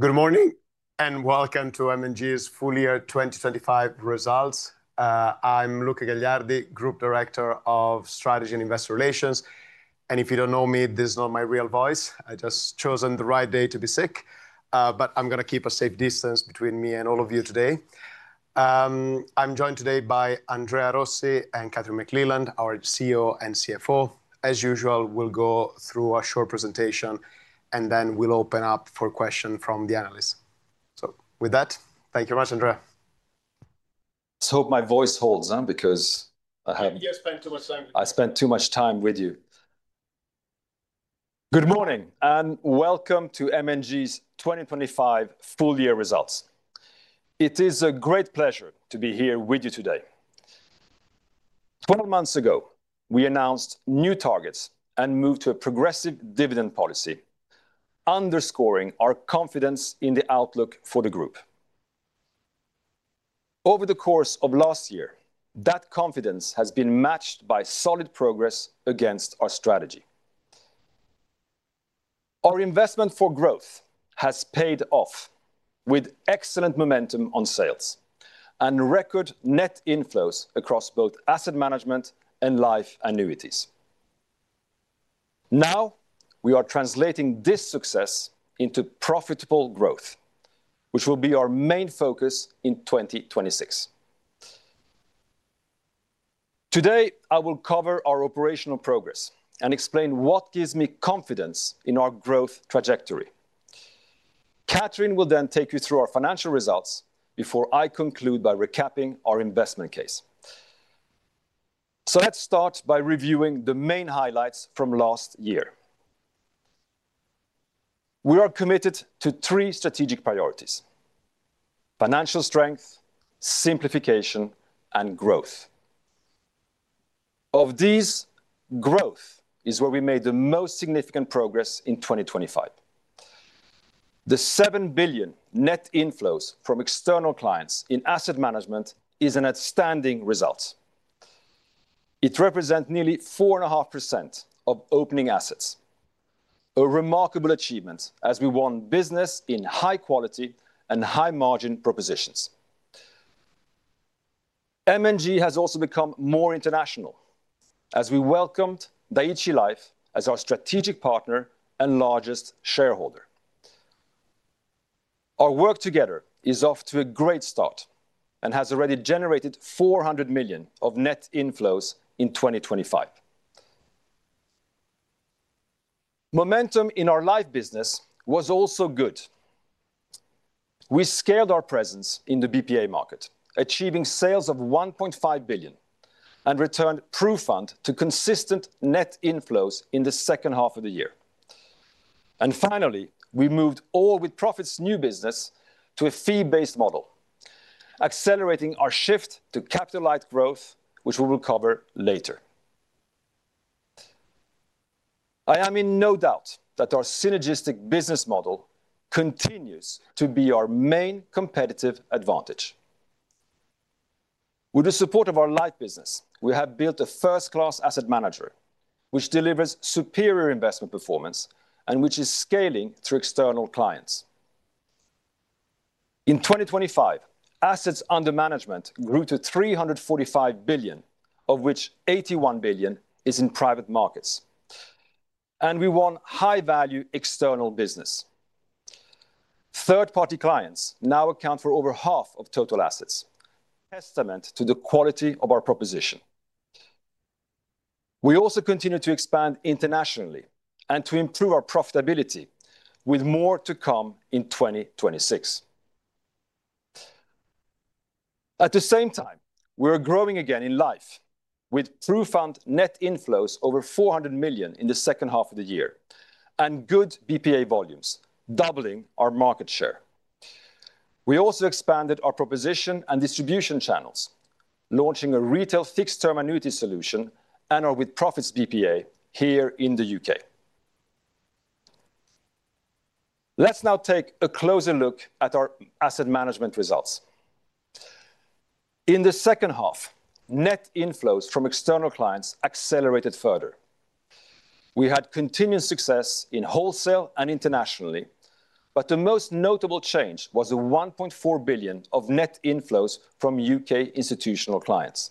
Good morning, and welcome to M&G's full year 2025 results. I'm Luca Gagliardi, Group Director of Strategy and Investor Relations. If you don't know me, this is not my real voice. I just chosen the right day to be sick. I'm gonna keep a safe distance between me and all of you today. I'm joined today by Andrea Rossi and Kathryn McLeland, our CEO and CFO. As usual, we'll go through a short presentation and then we'll open up for question from the analysts. With that, thank you much, Andrea. Let's hope my voice holds on because I have. You spent too much time with me. I spent too much time with you. Good morning, and welcome to M&G's 2025 full year results. It is a great pleasure to be here with you today. 12 months ago, we announced new targets and moved to a progressive dividend policy, underscoring our confidence in the outlook for the group. Over the course of last year, that confidence has been matched by solid progress against our strategy. Our investment for growth has paid off with excellent momentum on sales and record net inflows across both asset management and life annuities. Now, we are translating this success into profitable growth, which will be our main focus in 2026. Today, I will cover our operational progress and explain what gives me confidence in our growth trajectory. Kathryn will then take you through our financial results before I conclude by recapping our investment case. Let's start by reviewing the main highlights from last year. We are committed to three strategic priorities, financial strength, simplification, and growth. Of these, growth is where we made the most significant progress in 2025. The 7 billion net inflows from external clients in asset management is an outstanding result. It represent nearly 4.5% of opening assets. A remarkable achievement as we won business in high quality and high margin propositions. M&G has also become more international as we welcomed Dai-ichi Life as our strategic partner and largest shareholder. Our work together is off to a great start and has already generated 400 million of net inflows in 2025. Momentum in our life business was also good. We scaled our presence in the BPA market, achieving sales of 1.5 billion, and returned PruFund to consistent net inflows in the second half of the year. Finally, we moved all with-profits new business to a fee-based model, accelerating our shift to capital-light growth, which we will cover later. I am in no doubt that our synergistic business model continues to be our main competitive advantage. With the support of our life business, we have built a first-class asset manager, which delivers superior investment performance and which is scaling through external clients. In 2025, assets under management grew to 345 billion, of which 81 billion is in private markets. We won high-value external business. Third-party clients now account for over half of total assets, testament to the quality of our proposition. We also continue to expand internationally and to improve our profitability with more to come in 2026. At the same time, we're growing again in life with PruFund net inflows over 400 million in the second half of the year and good BPA volumes, doubling our market share. We also expanded our proposition and distribution channels, launching a retail fixed term annuity solution and our with-profits BPA here in the U.K. Let's now take a closer look at our asset management results. In the second half, net inflows from external clients accelerated further. We had continued success in wholesale and internationally, but the most notable change was the 1.4 billion of net inflows from U.K. institutional clients.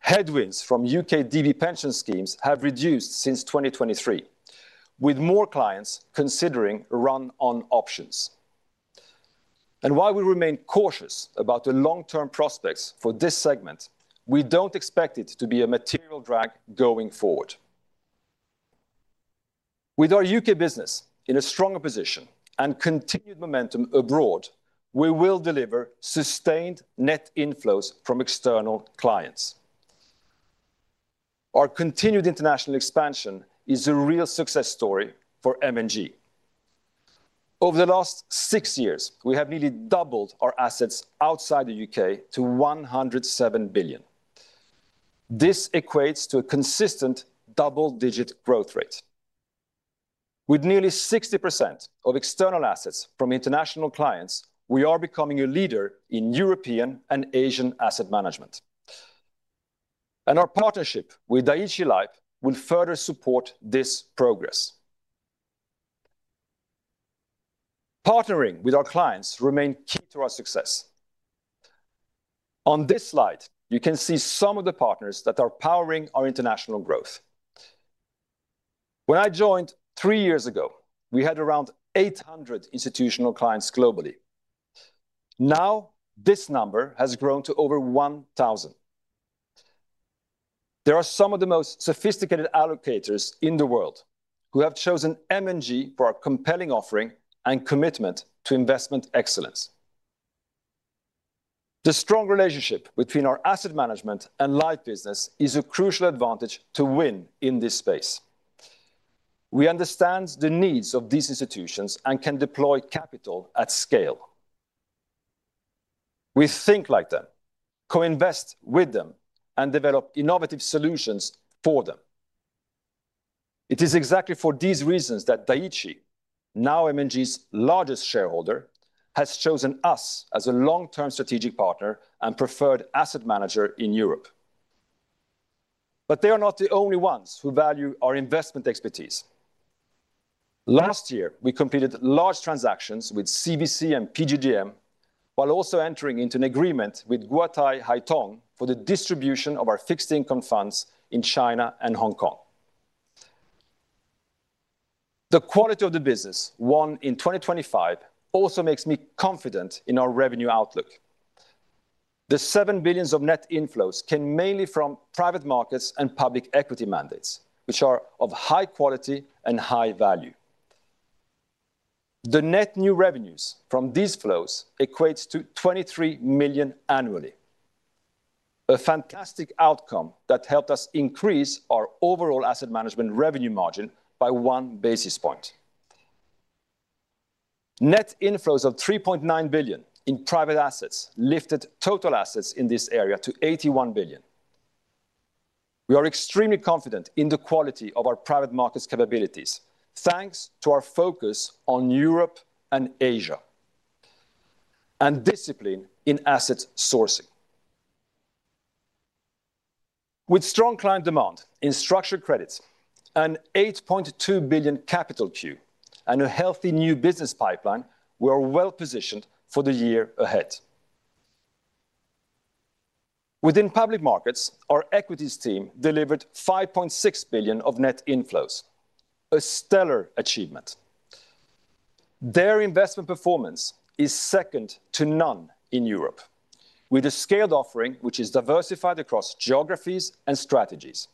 Headwinds from UK DB pension schemes have reduced since 2023, with more clients considering run-off options. While we remain cautious about the long-term prospects for this segment, we don't expect it to be a material drag going forward. With our U.K. business in a stronger position and continued momentum abroad, we will deliver sustained net inflows from external clients. Our continued international expansion is a real success story for M&G. Over the last six years, we have nearly doubled our assets outside the U.K. to 107 billion. This equates to a consistent double digit growth rate. With nearly 60% of external assets from international clients, we are becoming a leader in European and Asian asset management. Our partnership with Dai-ichi Life will further support this progress. Partnering with our clients remain key to our success. On this slide, you can see some of the partners that are powering our international growth. When I joined three years ago, we had around 800 institutional clients globally. Now, this number has grown to over 1,000. They are some of the most sophisticated allocators in the world who have chosen M&G for our compelling offering and commitment to investment excellence. The strong relationship between our asset management and life business is a crucial advantage to win in this space. We understand the needs of these institutions and can deploy capital at scale. We think like them, co-invest with them, and develop innovative solutions for them. It is exactly for these reasons that Dai-ichi, now M&G's largest shareholder, has chosen us as a long-term strategic partner and preferred asset manager in Europe. They are not the only ones who value our investment expertise. Last year, we completed large transactions with CVC and PGGM, while also entering into an agreement with Guotai Junan for the distribution of our fixed income funds in China and Hong Kong. The quality of the business won in 2025 also makes me confident in our revenue outlook. The 7 billion of net inflows came mainly from private markets and public equity mandates, which are of high quality and high value. The net new revenues from these flows equates to 23 million annually, a fantastic outcome that helped us increase our overall asset management revenue margin by 1 basis point. Net inflows of 3.9 billion in private assets lifted total assets in this area to 81 billion. We are extremely confident in the quality of our private markets capabilities thanks to our focus on Europe and Asia, and discipline in asset sourcing. With strong client demand in structured credits, a 8.2 billion capital queue, and a healthy new business pipeline, we are well-positioned for the year ahead. Within public markets, our equities team delivered 5.6 billion of net inflows, a stellar achievement. Their investment performance is second to none in Europe, with a scaled offering which is diversified across geographies and strategies.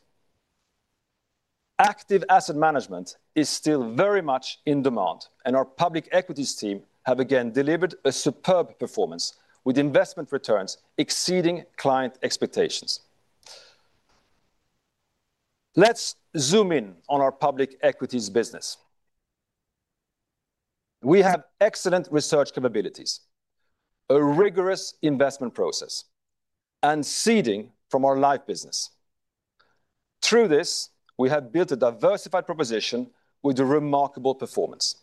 Active asset management is still very much in demand, and our public equities team have again delivered a superb performance with investment returns exceeding client expectations. Let's zoom in on our public equities business. We have excellent research capabilities, a rigorous investment process, and seeding from our life business. Through this, we have built a diversified proposition with a remarkable performance.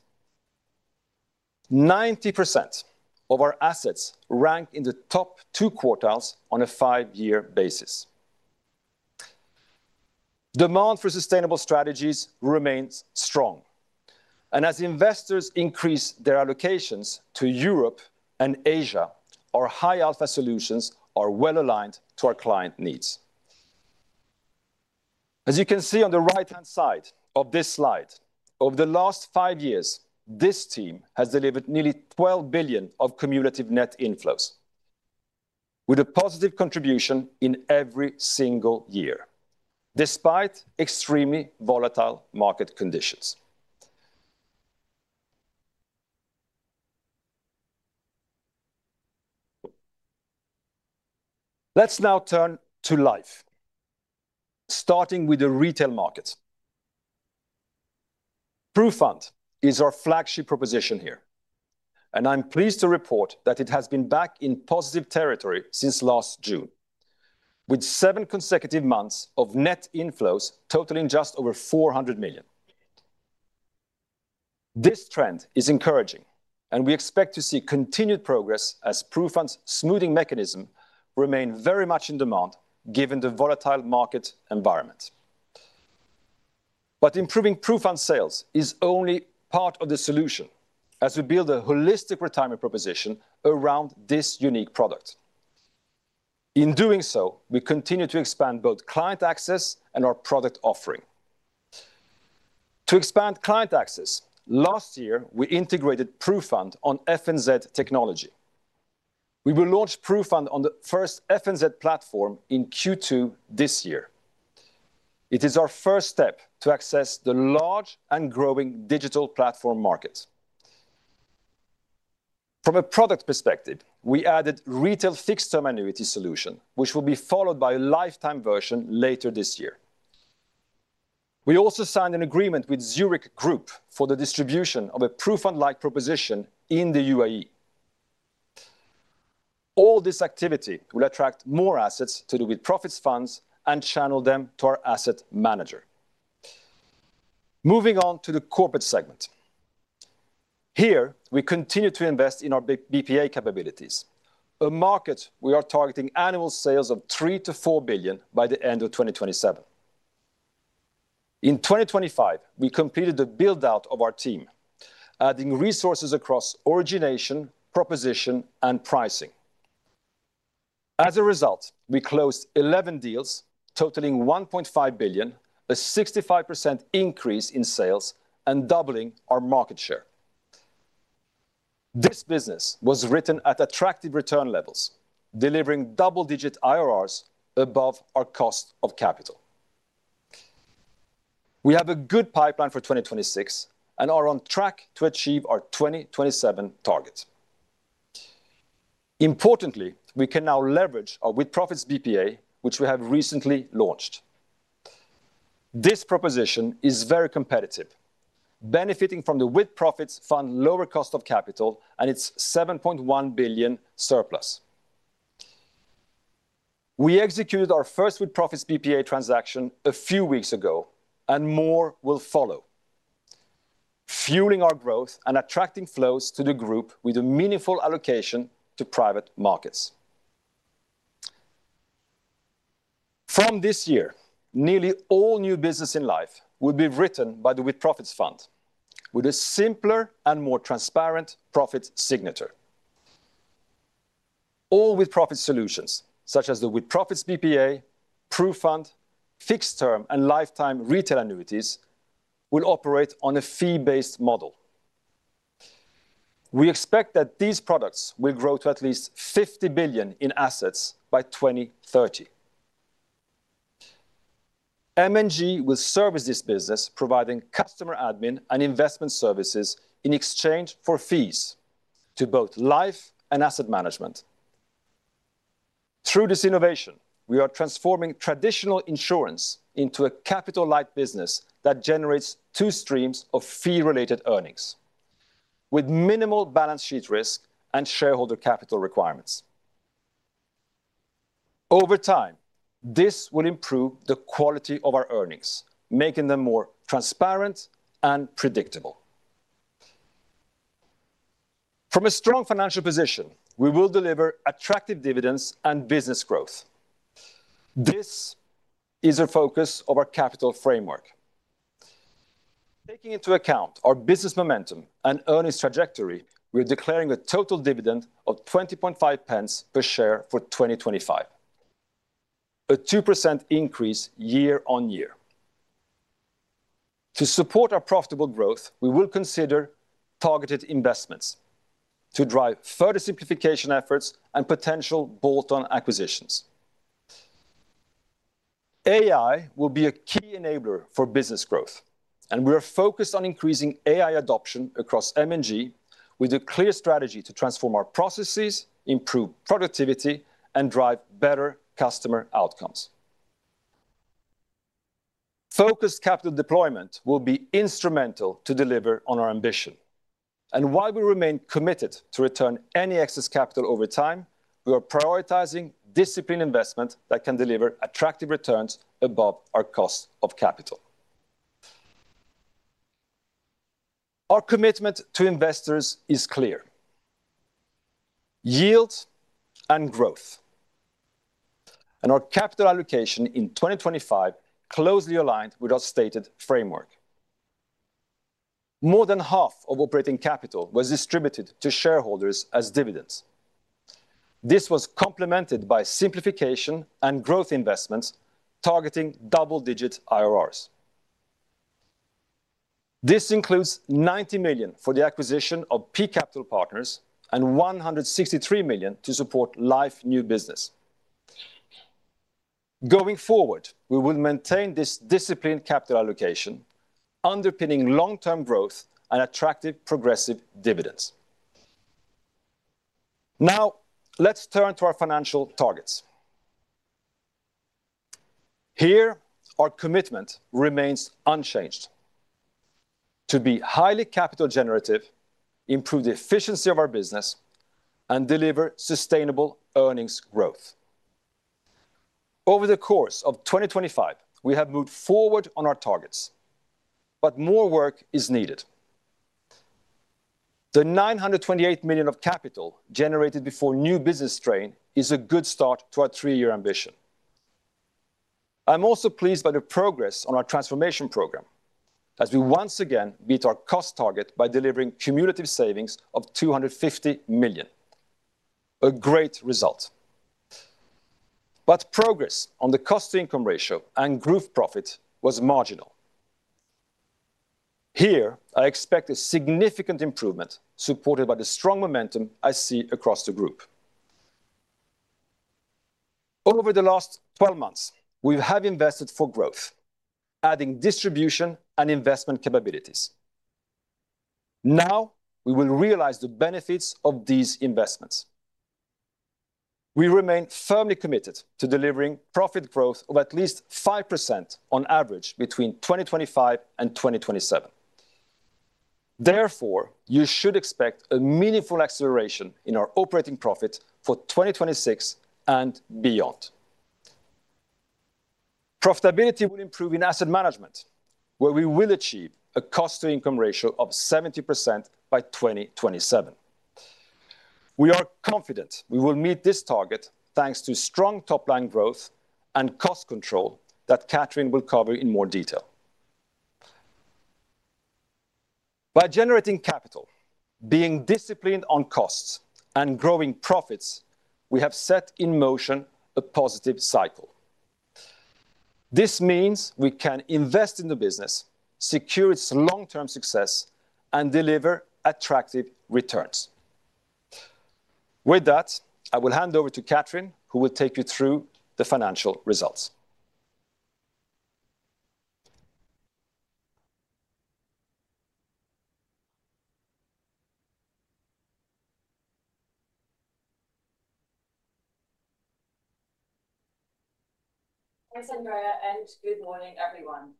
90% of our assets rank in the top two quartiles on a five-year basis. Demand for sustainable strategies remains strong, and as investors increase their allocations to Europe and Asia, our high alpha solutions are well-aligned to our client needs. As you can see on the right-hand side of this slide, over the last five years, this team has delivered nearly 12 billion of cumulative net inflows with a positive contribution in every single year, despite extremely volatile market conditions. Let's now turn to life, starting with the retail market. PruFund is our flagship proposition here, and I'm pleased to report that it has been back in positive territory since last June, with seven consecutive months of net inflows totaling just over 400 million. This trend is encouraging, and we expect to see continued progress as PruFund's smoothing mechanism remain very much in demand given the volatile market environment. Improving PruFund sales is only part of the solution as we build a holistic retirement proposition around this unique product. In doing so, we continue to expand both client access and our product offering. To expand client access, last year we integrated PruFund on FNZ technology. We will launch PruFund on the first FNZ platform in Q2 this year. It is our first step to access the large and growing digital platform market. From a product perspective, we added retail fixed term annuity solution, which will be followed by a lifetime version later this year. We also signed an agreement with Zurich Insurance Group for the distribution of a PruFund-like proposition in the UAE. All this activity will attract more assets to the with-profits funds and channel them to our asset manager. Moving on to the corporate segment. Here, we continue to invest in our BPA capabilities, a market we are targeting annual sales of 3-4 billion by the end of 2027. In 2025, we completed the build-out of our team, adding resources across origination, proposition, and pricing. As a result, we closed 11 deals totaling 1.5 billion, a 65% increase in sales and doubling our market share. This business was written at attractive return levels, delivering double-digit IRRs above our cost of capital. We have a good pipeline for 2026 and are on track to achieve our 2027 target. Importantly, we can now leverage our With-Profits BPA, which we have recently launched. This proposition is very competitive, benefiting from the With-Profits fund lower cost of capital and its 7.1 billion surplus. We executed our first With-Profits BPA transaction a few weeks ago, and more will follow, fueling our growth and attracting flows to the group with a meaningful allocation to private markets. From this year, nearly all new business in Life will be written by the With-Profits fund with a simpler and more transparent profit signature. All With-Profits solutions, such as the With-Profits BPA, PruFund, fixed term, and lifetime retail annuities will operate on a fee-based model. We expect that these products will grow to at least 50 billion in assets by 2030. M&G will service this business, providing customer admin and investment services in exchange for fees to both Life and Asset Management. Through this innovation, we are transforming traditional insurance into a capital-light business that generates two streams of fee-related earnings with minimal balance sheet risk and shareholder capital requirements. Over time, this will improve the quality of our earnings, making them more transparent and predictable. From a strong financial position, we will deliver attractive dividends and business growth. This is a focus of our capital framework. Taking into account our business momentum and earnings trajectory, we are declaring a total dividend of 20.5 pence per share for 2025, a 2% increase year-on-year. To support our profitable growth, we will consider targeted investments to drive further simplification efforts and potential bolt-on acquisitions. AI will be a key enabler for business growth, and we are focused on increasing AI adoption across M&G with a clear strategy to transform our processes, improve productivity, and drive better customer outcomes. Focused capital deployment will be instrumental to deliver on our ambition, and while we remain committed to return any excess capital over time, we are prioritizing disciplined investment that can deliver attractive returns above our cost of capital. Our commitment to investors is clear, yield and growth. Our capital allocation in 2025 closely aligned with our stated framework. More than half of operating capital was distributed to shareholders as dividends. This was complemented by simplification and growth investments targeting double-digit IRRs. This includes 90 million for the acquisition of P Capital Partners and 163 million to support Life new business. Going forward, we will maintain this disciplined capital allocation, underpinning long-term growth and attractive progressive dividends. Now, let's turn to our financial targets. Here, our commitment remains unchanged, to be highly capital generative, improve the efficiency of our business, and deliver sustainable earnings growth. Over the course of 2025, we have moved forward on our targets, but more work is needed. The 928 million of capital generated before new business strain is a good start to our three-year ambition. I'm also pleased by the progress on our transformation program as we once again beat our cost target by delivering cumulative savings of 250 million. A great result. Progress on the cost-to-income ratio and group profit was marginal. Here, I expect a significant improvement supported by the strong momentum I see across the group. Over the last 12 months, we have invested for growth, adding distribution and investment capabilities. Now we will realize the benefits of these investments. We remain firmly committed to delivering profit growth of at least 5% on average between 2025 and 2027. Therefore, you should expect a meaningful acceleration in our operating profit for 2026 and beyond. Profitability will improve in asset management, where we will achieve a cost-to-income ratio of 70% by 2027. We are confident we will meet this target thanks to strong top line growth and cost control that Kathryn will cover in more detail. By generating capital, being disciplined on costs, and growing profits, we have set in motion a positive cycle. This means we can invest in the business, secure its long-term success, and deliver attractive returns. With that, I will hand over to Kathryn, who will take you through the financial results. Thanks, Andrea, and good morning, everyone.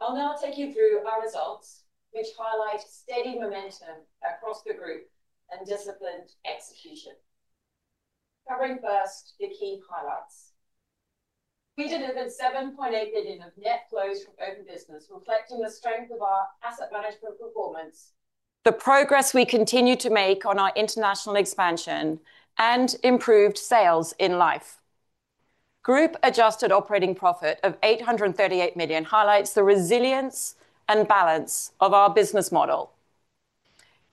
I'll now take you through our results, which highlight steady momentum across the group and disciplined execution. Covering first the key highlights. We delivered 7.8 billion of net flows from open business, reflecting the strength of our asset management performance, the progress we continue to make on our international expansion, and improved sales in Life. Group-adjusted operating profit of 838 million highlights the resilience and balance of our business model.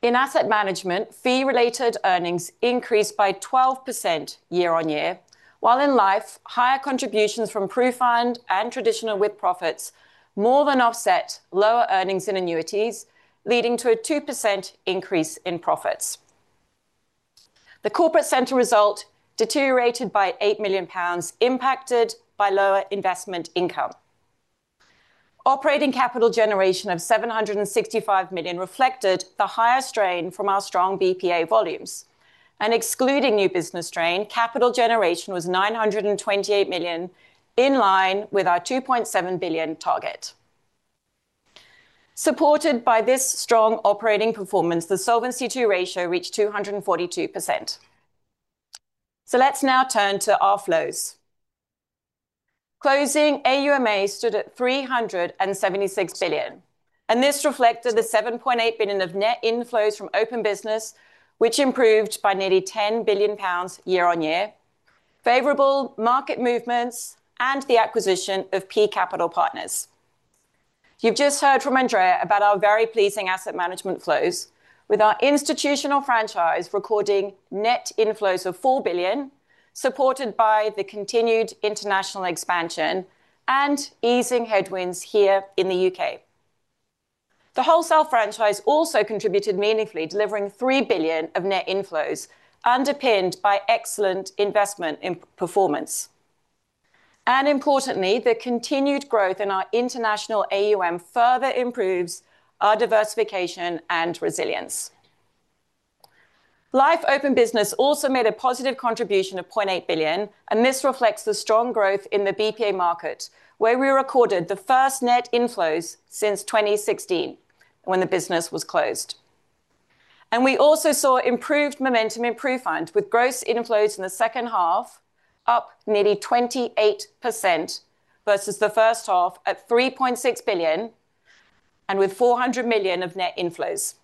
In asset management, fee-related earnings increased by 12% year-on-year, while in Life, higher contributions from PruFund and traditional with-profits more than offset lower earnings in annuities, leading to a 2% increase in profits. The corporate center result deteriorated by 8 million pounds, impacted by lower investment income. Operating capital generation of 765 million reflected the higher strain from our strong BPA volumes, and excluding new business strain, capital generation was 928 million, in line with our 2.7 billion target. Supported by this strong operating performance, the Solvency II ratio reached 242%. Let's now turn to our flows. Closing AUMA stood at 376 billion, and this reflected the 7.8 billion of net inflows from open business, which improved by nearly 10 billion pounds year-on-year, favorable market movements, and the acquisition of P Capital Partners. You've just heard from Andrea about our very pleasing asset management flows, with our institutional franchise recording net inflows of 4 billion, supported by the continued international expansion and easing headwinds here in the U.K. The wholesale franchise also contributed meaningfully, delivering 3 billion of net inflows, underpinned by excellent investment performance. Importantly, the continued growth in our international AUM further improves our diversification and resilience. Life open business also made a positive contribution of 0.8 billion, and this reflects the strong growth in the BPA market, where we recorded the first net inflows since 2016 when the business was closed. We also saw improved momentum in PruFund, with gross inflows in the second half up nearly 28% versus the first half at 3.6 billion, and with 400 million of net inflows.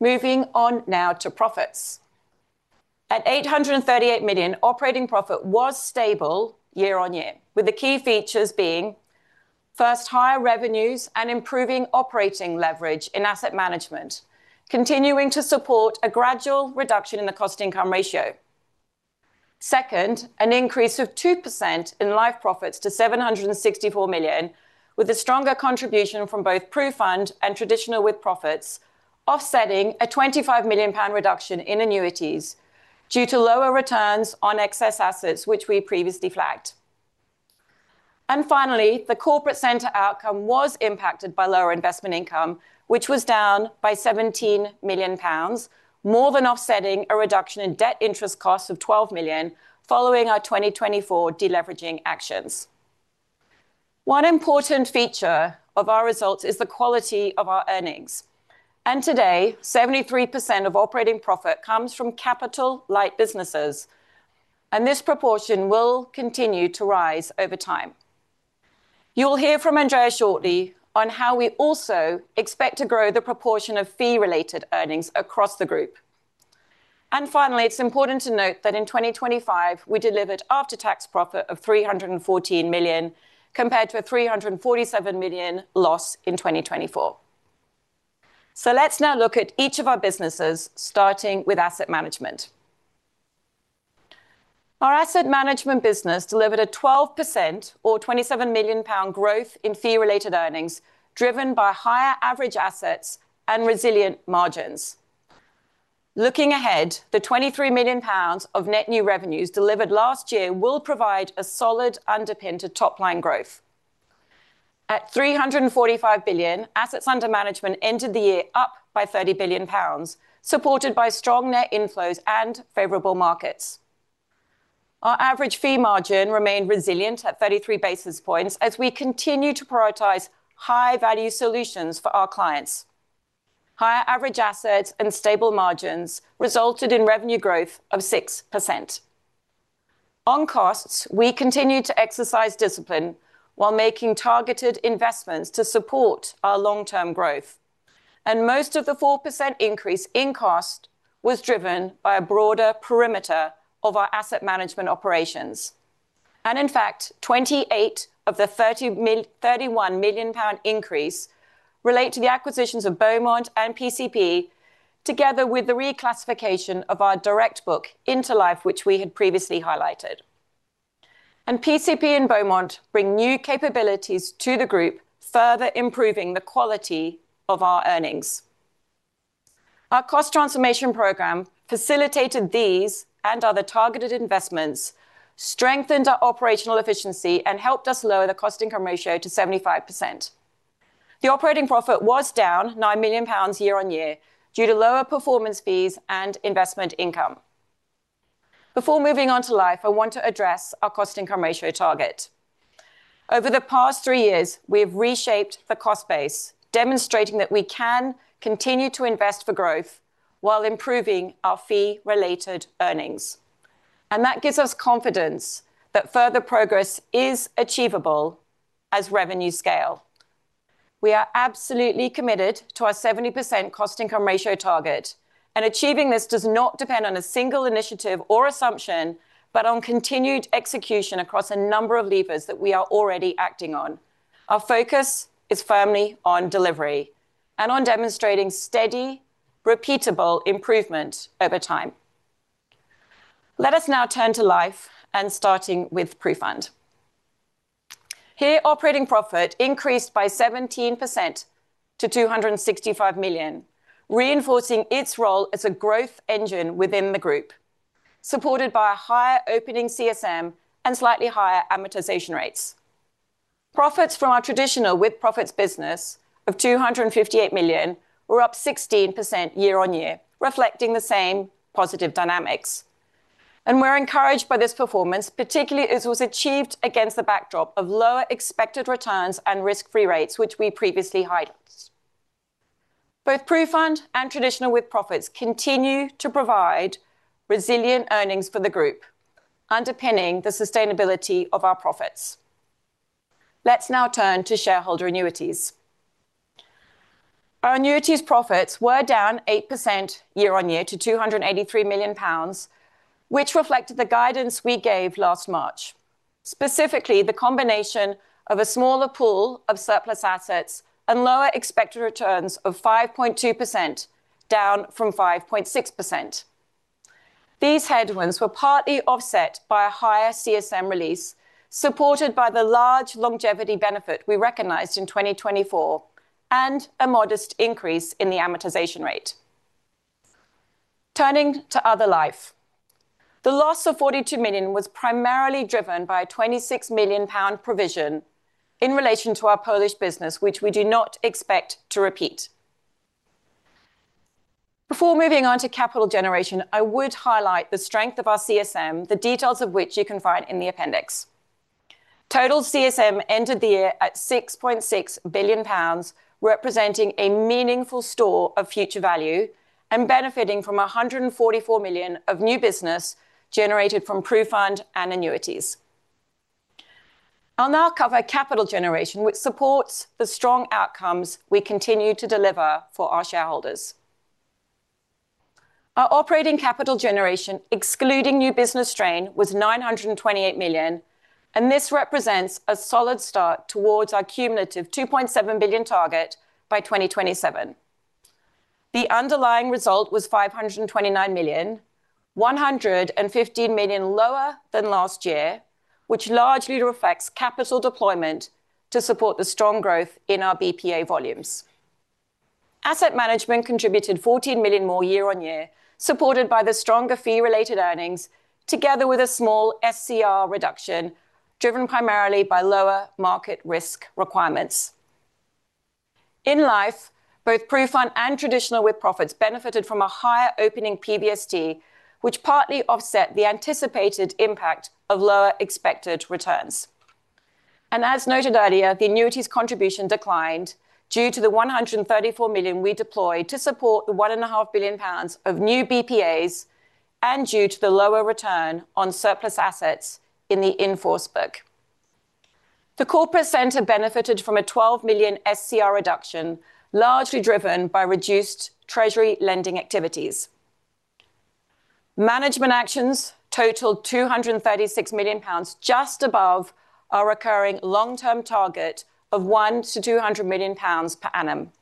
Moving on now to profits. At 838 million, operating profit was stable year-on-year, with the key features being, first, higher revenues and improving operating leverage in asset management, continuing to support a gradual reduction in the cost-to-income ratio. Second, an increase of 2% in Life profits to 764 million, with a stronger contribution from both PruFund and traditional with-profits, offsetting a 25 million pound reduction in annuities due to lower returns on excess assets, which we previously flagged. Finally, the corporate center outcome was impacted by lower investment income, which was down by 17 million pounds, more than offsetting a reduction in debt interest costs of 12 million following our 2024 deleveraging actions. One important feature of our results is the quality of our earnings, and today, 73% of operating profit comes from capital-light businesses, and this proportion will continue to rise over time. You will hear from Andrea shortly on how we also expect to grow the proportion of fee-related earnings across the group. Finally, it's important to note that in 2025, we delivered after-tax profit of 314 million compared to a 347 million loss in 2024. Let's now look at each of our businesses, starting with asset management. Our asset management business delivered a 12% or 27 million pound growth in fee-related earnings, driven by higher average assets and resilient margins. Looking ahead, the 23 million pounds of net new revenues delivered last year will provide a solid underpin to top-line growth. At 345 billion, assets under management entered the year up by 30 billion pounds, supported by strong net in flows and favorable markets. Our average fee margin remained resilient at 33 basis points as we continue to prioritize high-value solutions for our clients. Higher average assets and stable margins resulted in revenue growth of 6%. On costs, we continued to exercise discipline while making targeted investments to support our long-term growth, and most of the 4% increase in cost was driven by a broader perimeter of our asset management operations. In fact, 28 of the 31 million pound increase relate to the acquisitions of BauMont and PCP together with the reclassification of our direct book into Life, which we had previously highlighted. PCP and BauMont bring new capabilities to the group, further improving the quality of our earnings. Our cost transformation program facilitated these and other targeted investments, strengthened our operational efficiency, and helped us lower the cost-to-income ratio to 75%. The operating profit was down 9 million pounds year-on-year due to lower performance fees and investment income. Before moving on to Life, I want to address our cost-to-income ratio target. Over the past three years, we have reshaped the cost base, demonstrating that we can continue to invest for growth while improving our fee-related earnings, and that gives us confidence that further progress is achievable as revenue scales. We are absolutely committed to our 70% cost-to-income ratio target, and achieving this does not depend on a single initiative or assumption, but on continued execution across a number of levers that we are already acting on. Our focus is firmly on delivery and on demonstrating steady, repeatable improvement over time. Let us now turn to Life and starting with PruFund. Here, operating profit increased by 17% to 265 million, reinforcing its role as a growth engine within the group, supported by a higher opening CSM and slightly higher amortization rates. Profits from our traditional with-profits business of 258 million were up 16% year-on-year, reflecting the same positive dynamics. We're encouraged by this performance, particularly as was achieved against the backdrop of lower expected returns and risk-free rates, which we previously highlighted. Both PruFund and traditional with-profits continue to provide resilient earnings for the group, underpinning the sustainability of our profits. Let's now turn to shareholder annuities. Our annuities profits were down 8% year-on-year to 283 million pounds, which reflected the guidance we gave last March, specifically the combination of a smaller pool of surplus assets and lower expected returns of 5.2%, down from 5.6%. These headwinds were partly offset by a higher CSM release, supported by the large longevity benefit we recognized in 2024 and a modest increase in the amortization rate. Turning to other Life, the loss of 42 million was primarily driven by a 26 million pound provision in relation to our Polish business, which we do not expect to repeat. Before moving on to capital generation, I would highlight the strength of our CSM, the details of which you can find in the appendix. Total CSM entered the year at 6.6 billion pounds, representing a meaningful store of future value and benefiting from 144 million of new business generated from PruFund and annuities. I'll now cover capital generation, which supports the strong outcomes we continue to deliver for our shareholders. Our operating capital generation, excluding new business strain, was 928 million, and this represents a solid start towards our cumulative 2.7 billion target by 2027. The underlying result was 529 million, 115 million lower than last year, which largely reflects capital deployment to support the strong growth in our BPA volumes. Asset management contributed 14 million more year-on-year, supported by the stronger fee-related earnings together with a small SCR reduction, driven primarily by lower market risk requirements. In Life, both PruFund and traditional with-profits benefited from a higher opening PBST, which partly offset the anticipated impact of lower expected returns. As noted earlier, the annuities contribution declined due to the 134 million we deployed to support the 1.5 billion pounds of new BPAs and due to the lower return on surplus assets in the in-force book. The corporate center benefited from a 12 million SCR reduction, largely driven by reduced treasury lending activities. Management actions totaled 236 million pounds, just above our recurring long-term target of 100 million-200 million pounds per annum.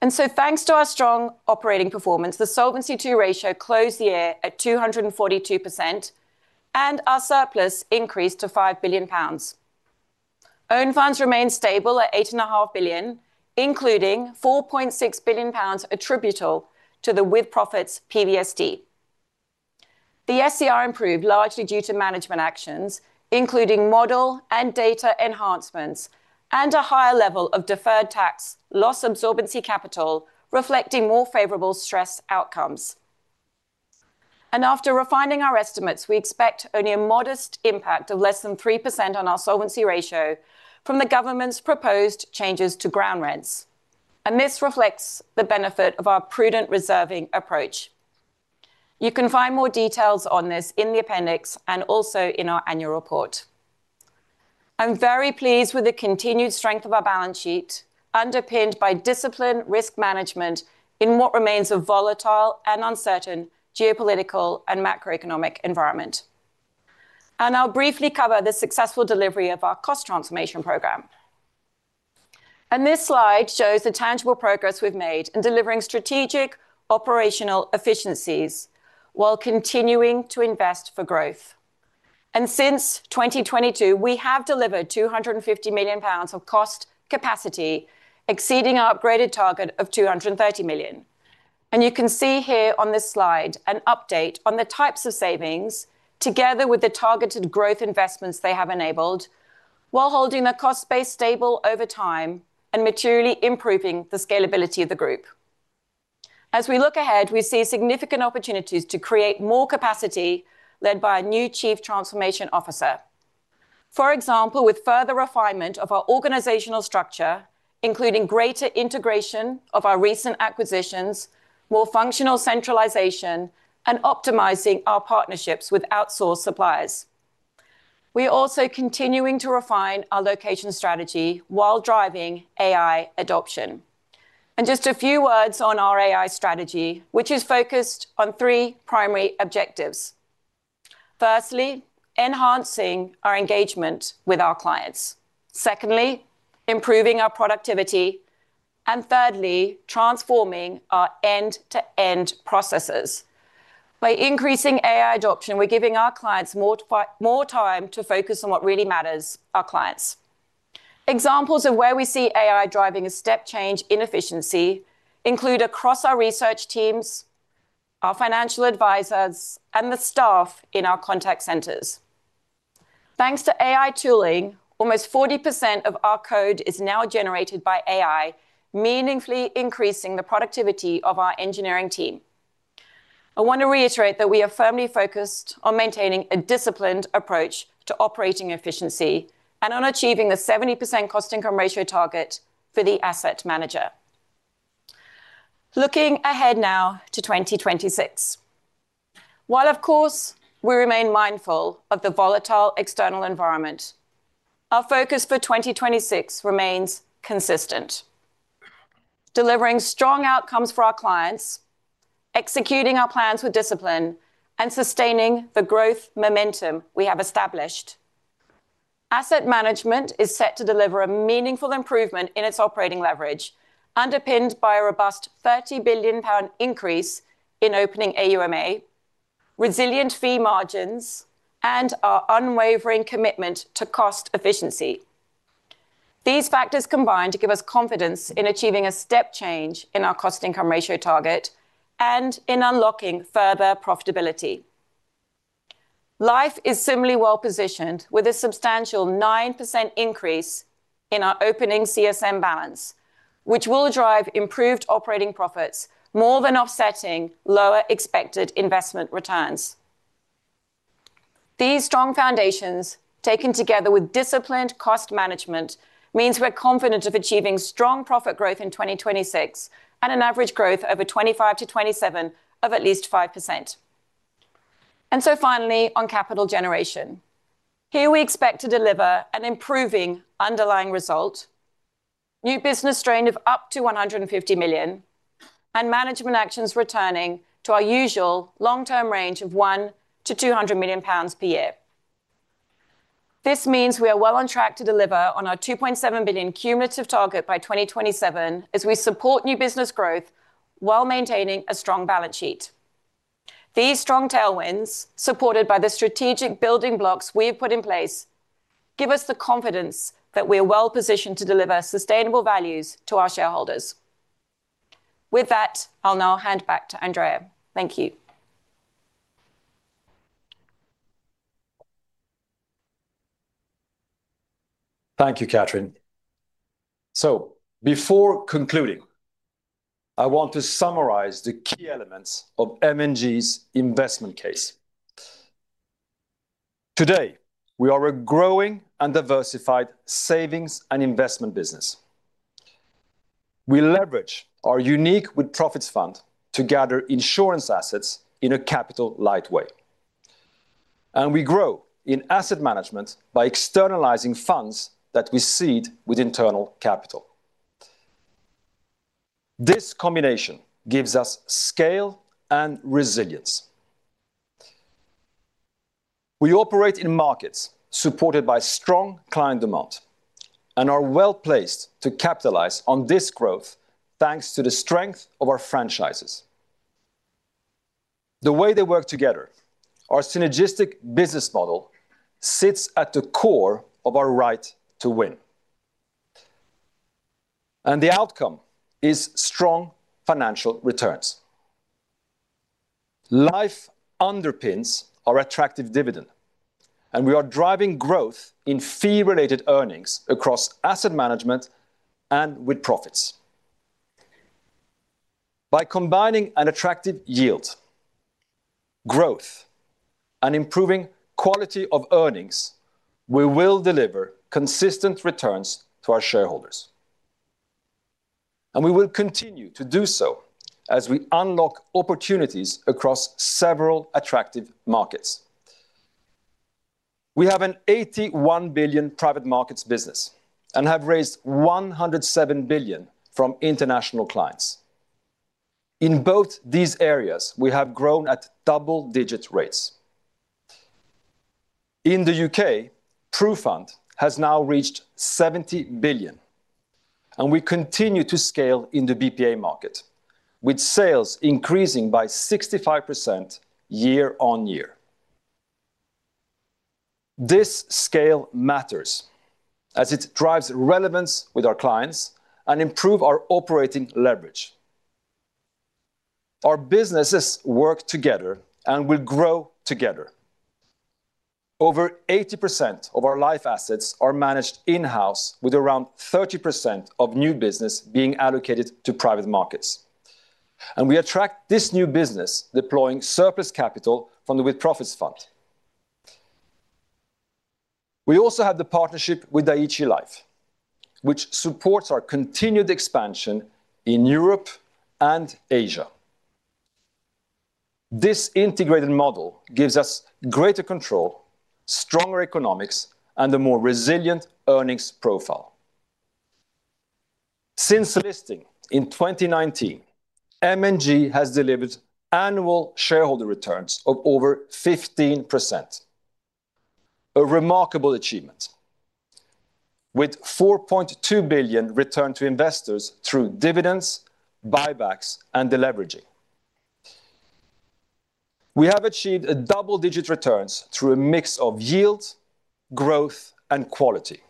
Thanks to our strong operating performance, the Solvency II ratio closed the year at 242%, and our surplus increased to 5 billion pounds. Own funds remained stable at 8.5 billion, including 4.6 billion pounds attributable to the with-profits PBST. The SCR improved largely due to management actions, including model and data enhancements and a higher level of loss-absorbing capacity of deferred taxes, reflecting more favorable stress outcomes. After refining our estimates, we expect only a modest impact of less than 3% on our solvency ratio from the government's proposed changes to ground rents. This reflects the benefit of our prudent reserving approach. You can find more details on this in the appendix and also in our annual report. I'm very pleased with the continued strength of our balance sheet, underpinned by disciplined risk management in what remains a volatile and uncertain geopolitical and macroeconomic environment. I'll briefly cover the successful delivery of our cost transformation program. This slide shows the tangible progress we've made in delivering strategic operational efficiencies while continuing to invest for growth. Since 2022, we have delivered 250 million pounds of cost capacity, exceeding our upgraded target of 230 million. You can see here on this slide an update on the types of savings together with the targeted growth investments they have enabled while holding the cost base stable over time and materially improving the scalability of the group. As we look ahead, we see significant opportunities to create more capacity led by a new chief transformation officer. For example, with further refinement of our organizational structure, including greater integration of our recent acquisitions, more functional centralization, and optimizing our partnerships with outsourced suppliers. We are also continuing to refine our location strategy while driving AI adoption. Just a few words on our AI strategy, which is focused on three primary objectives. Firstly, enhancing our engagement with our clients. Secondly, improving our productivity. Thirdly, transforming our end-to-end processes. By increasing AI adoption, we're giving our clients more time to focus on what really matters, our clients. Examples of where we see AI driving a step change in efficiency include across our research teams, our financial advisors, and the staff in our contact centers. Thanks to AI tooling, almost 40% of our code is now generated by AI, meaningfully increasing the productivity of our engineering team. I want to reiterate that we are firmly focused on maintaining a disciplined approach to operating efficiency and on achieving the 70% cost-to-income ratio target for the asset manager. Looking ahead now to 2026. While of course we remain mindful of the volatile external environment, our focus for 2026 remains consistent, delivering strong outcomes for our clients, executing our plans with discipline, and sustaining the growth momentum we have established. Asset management is set to deliver a meaningful improvement in its operating leverage, underpinned by a robust 30 billion pound increase in opening AUMA, resilient fee margins, and our unwavering commitment to cost efficiency. These factors combine to give us confidence in achieving a step change in our cost-to-income ratio target and in unlocking further profitability. Life is similarly well-positioned, with a substantial 9% increase in our opening CSM balance, which will drive improved operating profits more than offsetting lower expected investment returns. These strong foundations, taken together with disciplined cost management, means we're confident of achieving strong profit growth in 2026 and an average growth over 2025-2027 of at least 5%. Finally, on capital generation. Here we expect to deliver an improving underlying result, new business drain of up to 150 million, and management actions returning to our usual long-term range of 100-200 million pounds per year. This means we are well on track to deliver on our 2.7 billion cumulative target by 2027 as we support new business growth while maintaining a strong balance sheet. These strong tailwinds, supported by the strategic building blocks we've put in place, give us the confidence that we're well-positioned to deliver sustainable values to our shareholders. With that, I'll now hand back to Andrea Rossi. Thank you. Thank you, Kathryn. Before concluding, I want to summarize the key elements of M&G's investment case. Today, we are a growing and diversified savings and investment business. We leverage our unique With-Profits Fund to gather insurance assets in a capital-light way. We grow in asset management by externalizing funds that we seed with internal capital. This combination gives us scale and resilience. We operate in markets supported by strong client demand and are well-placed to capitalize on this growth, thanks to the strength of our franchises. The way they work together, our synergistic business model sits at the core of our right to win. The outcome is strong financial returns. Life underpins our attractive dividend, and we are driving growth in fee-related earnings across asset management and with-profits. By combining an attractive yield, growth, and improving quality of earnings, we will deliver consistent returns to our shareholders. We will continue to do so as we unlock opportunities across several attractive markets. We have a 81 billion private markets business and have raised 107 billion from international clients. In both these areas, we have grown at double-digit rates. In the U.K., PruFund has now reached 70 billion, and we continue to scale in the BPA market, with sales increasing by 65% year-over-year. This scale matters as it drives relevance with our clients and improve our operating leverage. Our businesses work together and will grow together. Over 80% of our life assets are managed in-house, with around 30% of new business being allocated to private markets. We attract this new business deploying surplus capital from the With-Profits Fund. We also have the partnership with Dai-ichi Life, which supports our continued expansion in Europe and Asia. This integrated model gives us greater control, stronger economics, and a more resilient earnings profile. Since listing in 2019, M&G has delivered annual shareholder returns of over 15%. A remarkable achievement with 4.2 billion return to investors through dividends, buybacks, and deleveraging. We have achieved double-digit returns through a mix of yield, growth, and quality.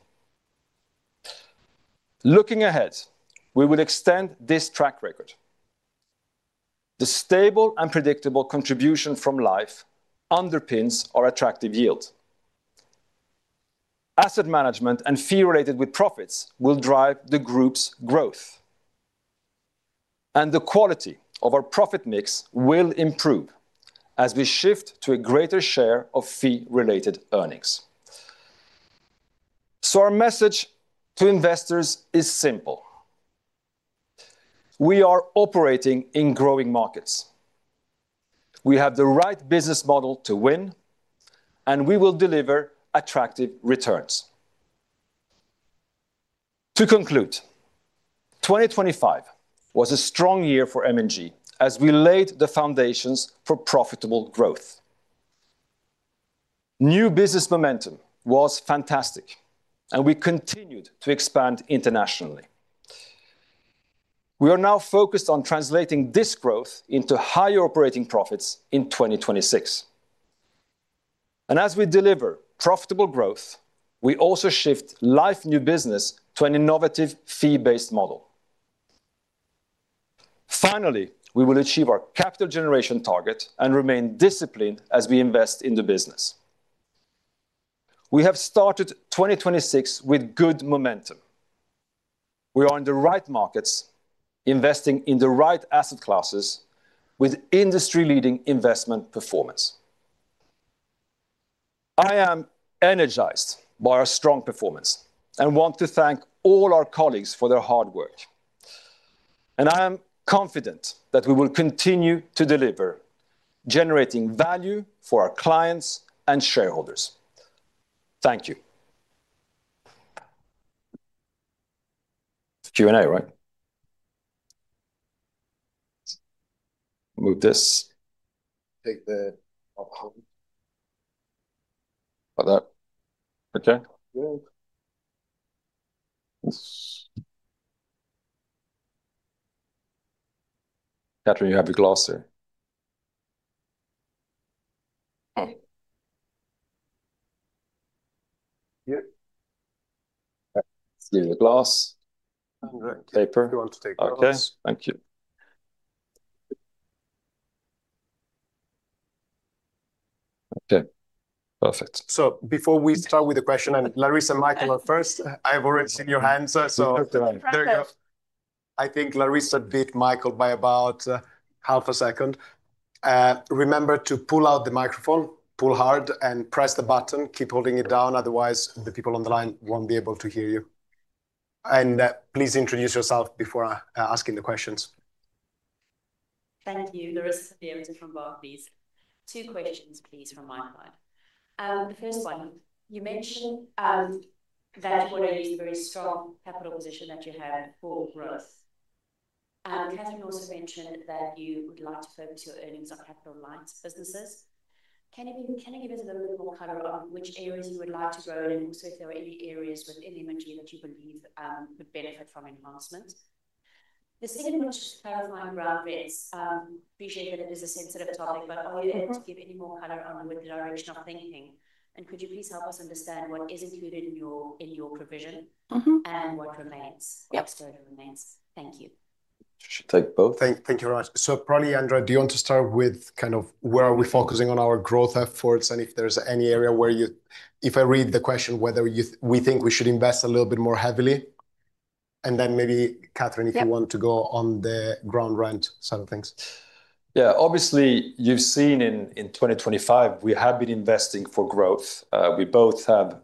Looking ahead, we will extend this track record. The stable and predictable contribution from Life underpins our attractive yield. Asset management and fee-related with-profits will drive the group's growth. The quality of our profit mix will improve as we shift to a greater share of fee-related earnings. Our message to investors is simple. We are operating in growing markets. We have the right business model to win, and we will deliver attractive returns. To conclude, 2025 was a strong year for M&G as we laid the foundations for profitable growth. New business momentum was fantastic, and we continued to expand internationally. We are now focused on translating this growth into higher operating profits in 2026. As we deliver profitable growth, we also shift life new business to an innovative fee-based model. Finally, we will achieve our capital generation target and remain disciplined as we invest in the business. We have started 2026 with good momentum. We are in the right markets, investing in the right asset classes with industry-leading investment performance. I am energized by our strong performance and want to thank all our colleagues for their hard work. I am confident that we will continue to deliver, generating value for our clients and shareholders. Thank you. Q&A, right? Move this. Before we start with the question, and Larissa and Michael are first, I have already seen your hands, so there you go. Perfect. I think Larissa beat Michael by about half a second. Remember to pull out the microphone, pull hard and press the button. Keep holding it down, otherwise the people on the line won't be able to hear you. Please introduce yourself before asking the questions. Thank you. Larissa Deventer from Barclays. Two questions please from my side. The first one, you mentioned that you want to use a very strong capital position that you have for gross, and Kathryn also mentioned that you would like to refer to earnings [inaudible] businesses. Can you give us a little bit of more color on which areas you would like grow and if also if there are any areas where M&G would benefit from advancements. The city most terrifying brand prints. Could you please help us understand what is included in your provisions, and then what remains. Thank you. Should take both. Thank you very much. Probably, Andrea, do you want to start with kind of where we are focusing on our growth efforts, and if there's any area, if I read the question, whether we think we should invest a little bit more heavily? Then maybe Kathryn- Yeah If you want to go on the ground rent side of things. Yeah. Obviously, you've seen in 2025 we have been investing for growth. We both have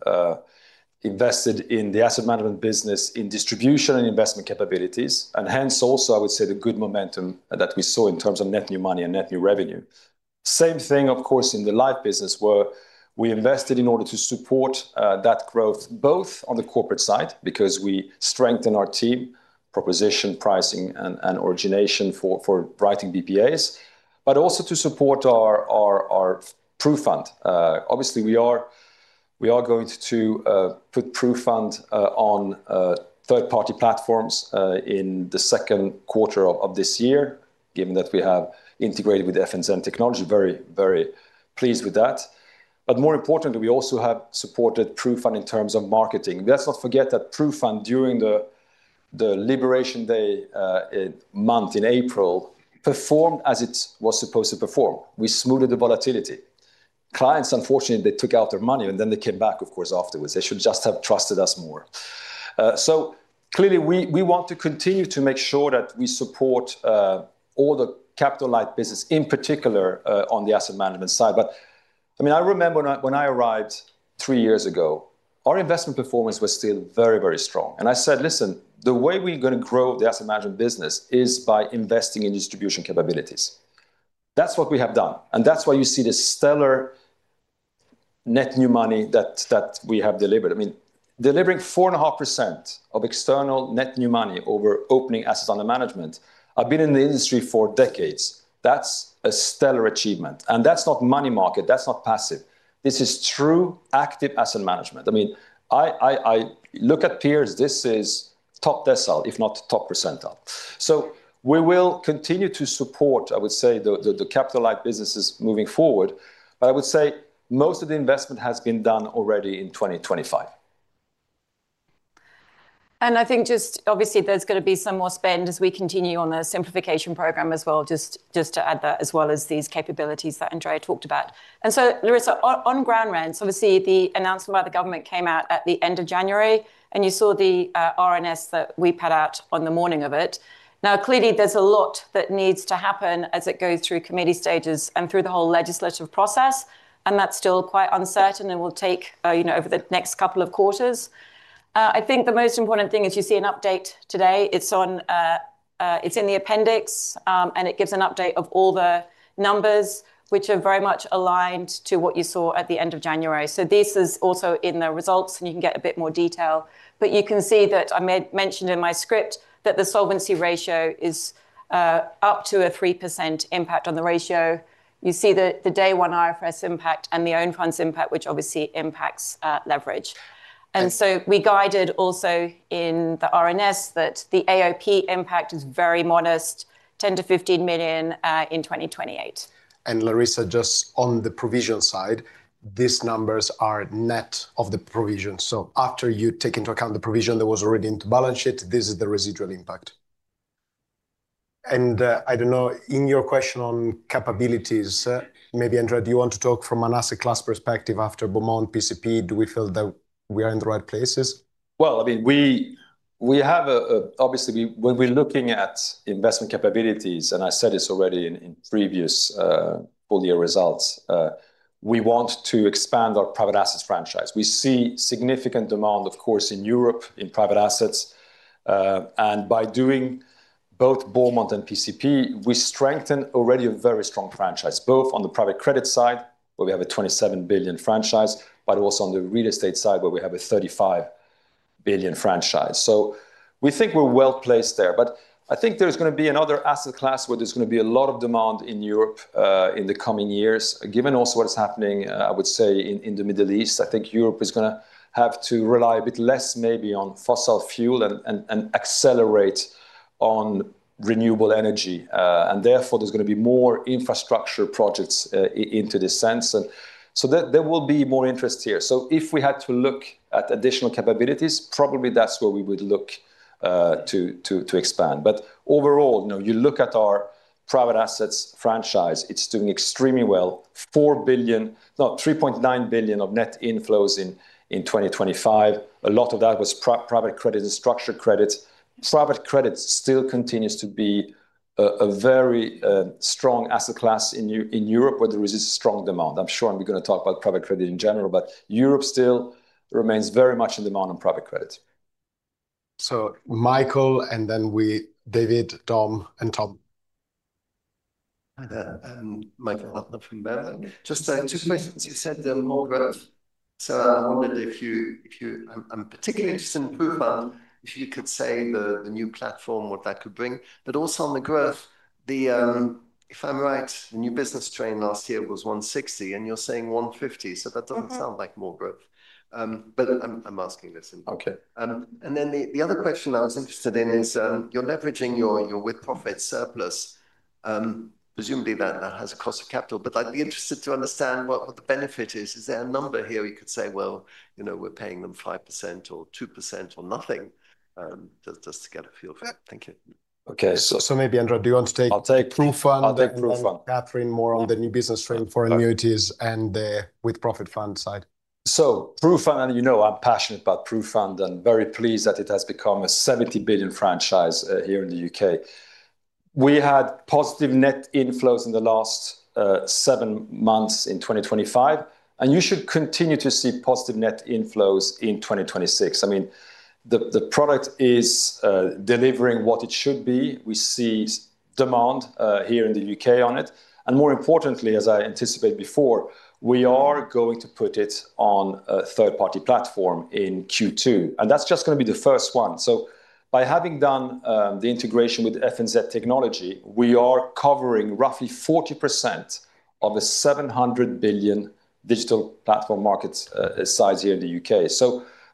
invested in the asset management business in distribution and investment capabilities, and hence also I would say the good momentum that we saw in terms of net new money and net new revenue. Same thing, of course, in the life business where we invested in order to support that growth, both on the corporate side because we strengthen our team, proposition pricing and origination for writing BPAs. But also to support our PruFund. Obviously, we are going to put PruFund on third party platforms in the second quarter of this year, given that we have integrated with FNZ technology. Very pleased with that. More importantly, we also have supported PruFund in terms of marketing. Let's not forget that PruFund, during the Liberation Day month in April, performed as it was supposed to perform. We smoothed the volatility. Clients, unfortunately, they took out their money and then they came back, of course, afterwards. They should just have trusted us more. Clearly we want to continue to make sure that we support all the capital-light business, in particular, on the asset management side. I mean, I remember when I arrived three years ago, our investment performance was still very, very strong. I said, "Listen, the way we're gonna grow the asset management business is by investing in distribution capabilities." That's what we have done, and that's why you see the stellar net new money that we have delivered. I mean, delivering 4.5% of external net new money over opening assets under management, I've been in the industry for decades, that's a stellar achievement. That's not money market, that's not passive. This is true active asset management. I mean, I look at peers, this is top decile, if not top percentile. We will continue to support, I would say, the capital-light businesses moving forward, but I would say most of the investment has been done already in 2025. I think just obviously there's gonna be some more spend as we continue on the simplification program as well, just to add that, as well as these capabilities that Andrea talked about. Larissa, on ground rent, obviously the announcement by the government came out at the end of January, and you saw the RNS that we put out on the morning of it. Now, clearly there's a lot that needs to happen as it goes through committee stages and through the whole legislative process, and that's still quite uncertain and will take, you know, over the next couple of quarters. I think the most important thing is you see an update today. It's on, it's in the appendix and it gives an update of all the numbers which are very much aligned to what you saw at the end of January. This is also in the results, and you can get a bit more detail. You can see that I mentioned in my script that the solvency ratio is up to a 3% impact on the ratio. You see the day one IFRS impact and the own funds impact, which obviously impacts leverage. We guided also in the RNS that the AOP impact is very modest, 10-15 million in 2028. Larissa, just on the provision side, these numbers are net of the provision. So after you take into account the provision that was already into balance sheet, this is the residual impact. I don't know, in your question on capabilities, maybe Andrea do you want to talk from an asset class perspective after BauMont and PCP? Do we feel that we are in the right places? I mean, we have a... Obviously, when we're looking at investment capabilities, and I said this already in previous full year results, we want to expand our private assets franchise. We see significant demand, of course, in Europe in private assets, and by doing both BauMont and PCP, we strengthen already a very strong franchise, both on the private credit side, where we have a 27 billion franchise, but also on the real estate side, where we have a 35 billion franchise. We think we're well-placed there. I think there's gonna be another asset class where there's gonna be a lot of demand in Europe in the coming years. Given also what is happening, I would say in the Middle East, I think Europe is gonna have to rely a bit less maybe on fossil fuel and accelerate on renewable energy. Therefore, there's gonna be more infrastructure projects in this sense. There will be more interest here. If we had to look at additional capabilities, probably that's where we would look to expand. Overall, you know, you look at our private assets franchise, it's doing extremely well. 3.9 billion of net inflows in 2025. A lot of that was private credit and structured credit. Private credit still continues to be a very strong asset class in Europe, where there is this strong demand. I'm sure we're gonna talk about private credit in general, but Europe still remains very much in demand on private credit. Michael, David, Dom and Tom. Hi there. Michael Hartnett from Berenberg. Just two questions. You said there was more growth, so I wondered if you. I'm particularly interested in PruFund. If you could say the new platform, what that could bring. Also on the growth, if I'm right, the new business strain last year was 160, and you're saying 150. Mm-hmm. That doesn't sound like more growth. I'm asking this anyway. Okay. The other question I was interested in is you're leveraging your with-profits surplus, presumably that has a cost of capital. But I'd be interested to understand what the benefit is. Is there a number here where you could say, "Well, you know, we're paying them 5% or 2% or nothing," just to get a feel for it. Thank you. Okay. Maybe Andrea, do you want to take? I'll take. PruFund I'll take PruFund. Kathryn, more on the new business trend for annuities and the with-profits fund side. PruFund, you know I'm passionate about PruFund and very pleased that it has become a 70 billion franchise here in the U.K. We had positive net inflows in the last seven months in 2025, and you should continue to see positive net inflows in 2026. I mean, the product is delivering what it should be. We see demand here in the U.K. on it. More importantly, as I anticipate before, we are going to put it on a third-party platform in Q2, and that's just gonna be the first one. By having done the integration with FNZ technology, we are covering roughly 40% of the 700 billion digital platform market size here in the U.K.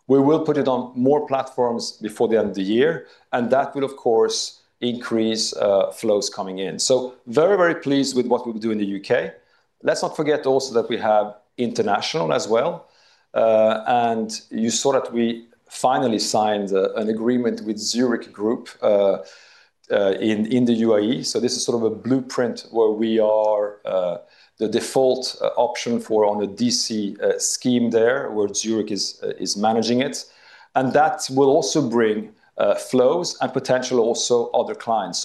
We will put it on more platforms before the end of the year, and that will of course increase flows coming in. Very, very pleased with what we do in the U.K. Let's not forget also that we have international as well. You saw that we finally signed an agreement with Zurich Insurance Group in the UAE. This is sort of a blueprint where we are the default option for the DC scheme there, where Zurich is managing it. That will also bring flows and potential other clients.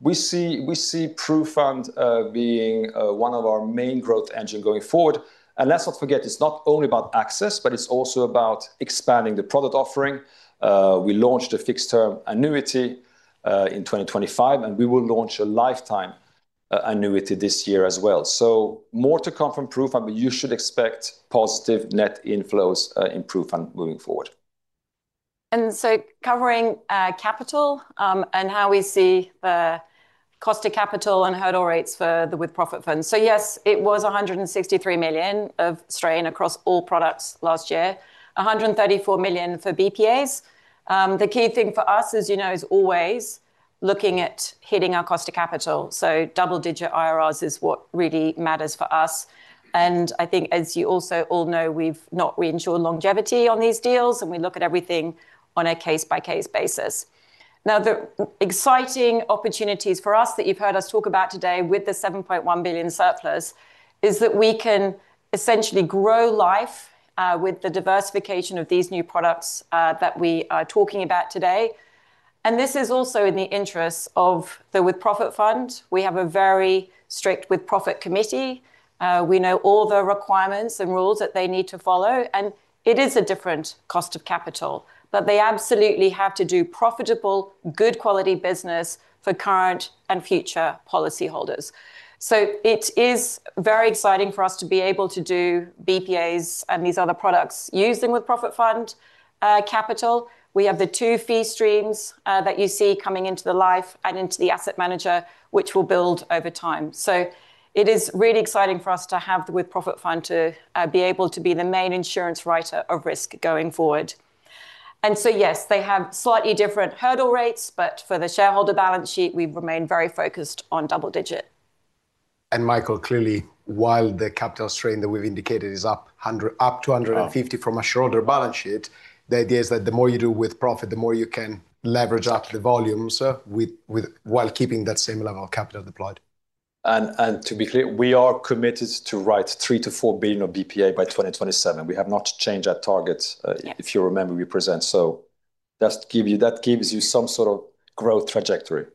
We see PruFund being one of our main growth engine going forward. Let's not forget, it's not only about access, but it's also about expanding the product offering. We launched a fixed term annuity in 2025, and we will launch a lifetime annuity this year as well. More to come from PruFund, but you should expect positive net inflows in PruFund moving forward. Covering capital and how we see the cost of capital and hurdle rates for the with-profits funds. Yes, it was 163 million of strain across all products last year. 134 million for BPAs. The key thing for us, as you know, is always looking at hitting our cost of capital. Double-digit IRRs is what really matters for us. I think as you also all know, we've not reinsured longevity on these deals, and we look at everything on a case-by-case basis. Now, the exciting opportunities for us that you've heard us talk about today with the 7.1 billion surplus is that we can essentially grow Life with the diversification of these new products that we are talking about today. This is also in the interest of the with-profits fund. We have a very strict With-Profits commttee. We know all the requirements and rules that they need to follow, and it is a different cost of capital. They absolutely have to do profitable, good quality business for current and future policy holders. It is very exciting for us to be able to do BPAs and these other products using With-Profits Fund capital. We have the two fee streams that you see coming into the Life and into the asset manager, which we'll build over time. It is really exciting for us to have the With-Profits Fund to be able to be the main insurance writer of risk going forward. Yes, they have slightly different hurdle rates, but for the shareholder balance sheet, we've remained very focused on double digit. Michael, clearly, while the capital strain that we've indicated is up to 150 from a stronger balance sheet, the idea is that the more you do with-profits, the more you can leverage up the volumes with while keeping that same level of capital deployed. To be clear, we are committed to write 3 billion-4 billion of BPA by 2027. We have not changed our targets. Yeah. If you remember, we present, so that gives you some sort of growth trajectory.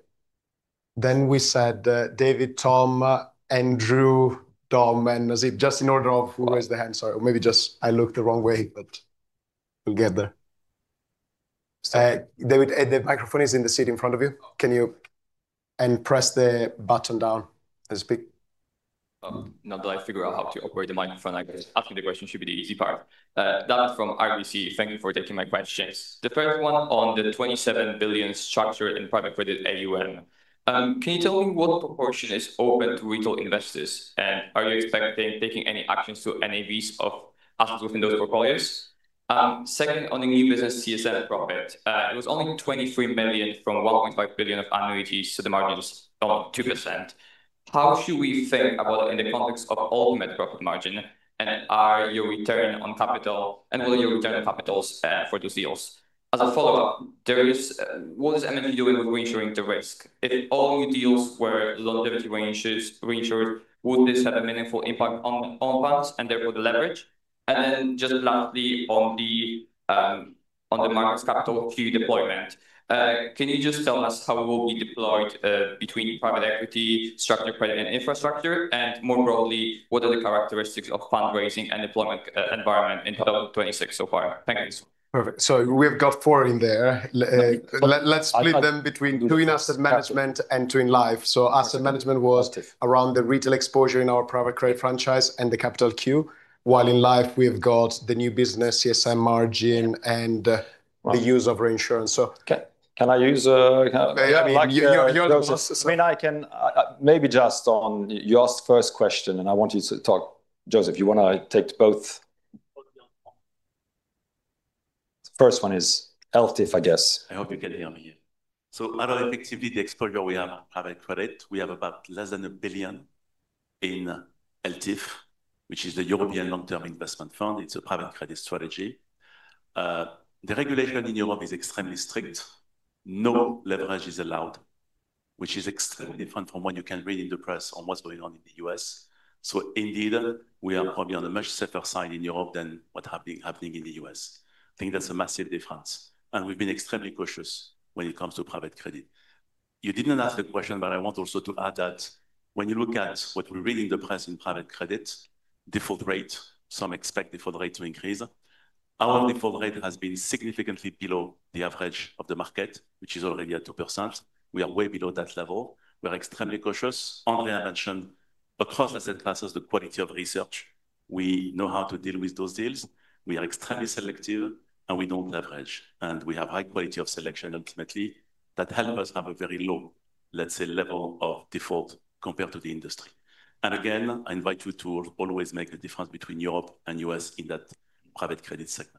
We said, David, Tom, Andrew, Dom, and was it just in order of who raised their hand? Sorry. Or maybe just I looked the wrong way, but we'll get there. David, the microphone is in the seat in front of you. Can you press the button down, there's a big- Now that I figure out how to operate the microphone, I guess asking the question should be the easy part. Dom from RBC, thank you for taking my questions. The first one on the 27 billion structured in private credit AUM. Can you tell me what proportion is open to retail investors? Are you expecting taking any actions to NAVs of assets within those portfolios? Second, on the new business CSM profit, it was only 23 million from 1.5 billion of annuities, so the margin is around 2%. How should we think about it in the context of ultimate profit margin, and are your return on capital, and will your return on capitals for those deals? As a follow-up, what is NF doing with reinsuring the risk? If all new deals were longevity reinsured, would this have a meaningful impact on bonds and therefore the leverage? Just lastly, on the M&G's capital deployment, can you just tell us how it will be deployed between private equity, structured credit, and infrastructure? More broadly, what are the characteristics of fundraising and deployment environment in 2026 so far? Thank you. Perfect. We've got four in there. Let's split them between doing asset management and doing Life. Asset management was around the retail exposure in our private credit franchise and the capital Q, while in Life, we've got the new business CSM margin and the use of reinsurance. Can I use? Yeah, I mean, you're I mean, maybe just on your first question, and I want you to talk. Joseph, you wanna take both? The first one is ELTIF, I guess. I hope you can hear me. Out of effectively the exposure we have private credit, we have about less than 1 billion in ELTIF, which is the European Long-Term Investment Fund. It's a private credit strategy. The regulation in Europe is extremely strict. No leverage is allowed. Which is extremely different from what you can read in the press on what's going on in the U.S. Indeed, we are probably on a much safer side in Europe than what's happening in the U.S. I think that's a massive difference, and we've been extremely cautious when it comes to private credit. You didn't ask the question, but I want also to add that when you look at what we read in the press in private credit, default rate, some expect default rate to increase. Our default rate has been significantly below the average of the market, which is already at 2%. We are way below that level. We are extremely cautious on the investment across asset classes, the quality of research. We know how to deal with those deals. We are extremely selective, and we don't leverage, and we have high quality of selection ultimately that help us have a very low, let's say, level of default compared to the industry. Again, I invite you to always make the difference between Europe and U.S. in that private credit segment.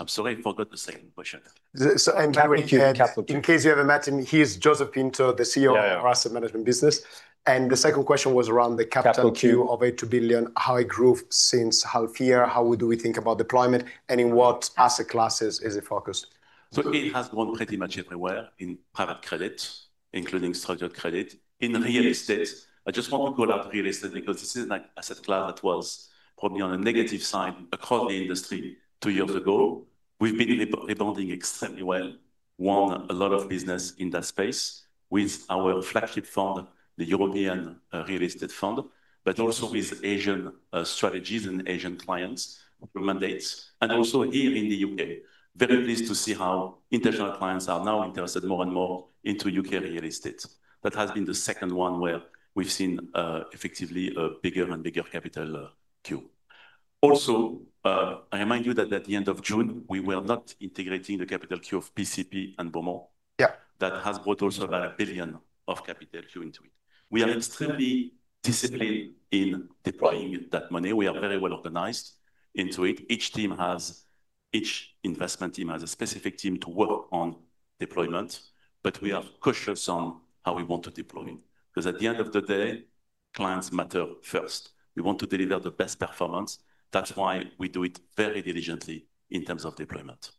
I'm sorry, I forgot the second question. Kathryn, in case you haven't met him, he is Joseph Pinto, the CEO. Yeah, yeah. ...of our asset management business. The second question was around the capital Q- Capital Q of 8 billion, how it grew since half year, how would we think about deployment, and in what asset classes is it focused? It has grown pretty much everywhere in private credit, including structured credit. In real estate, I just want to call out real estate because this is an asset class that was probably on a negative side across the industry two years ago. We've been rebounding extremely well, won a lot of business in that space with our flagship fund, the M&G European Property Fund, but also with Asian strategies and Asian clients through mandates. Also here in the UK, very pleased to see how international clients are now interested more and more into UK real estate. That has been the second one where we've seen effectively a bigger and bigger capital Q. Also, I remind you that at the end of June, we were not integrating the capital Q of PCP and BauMont. Yeah. That has brought also about 1 billion of capital to into it. We are extremely disciplined in deploying that money. We are very well organized into it. Each investment team has a specific team to work on deployment, but we are cautious on how we want to deploy. 'Cause at the end of the day, clients matter first. We want to deliver the best performance. That's why we do it very diligently in terms of deployment.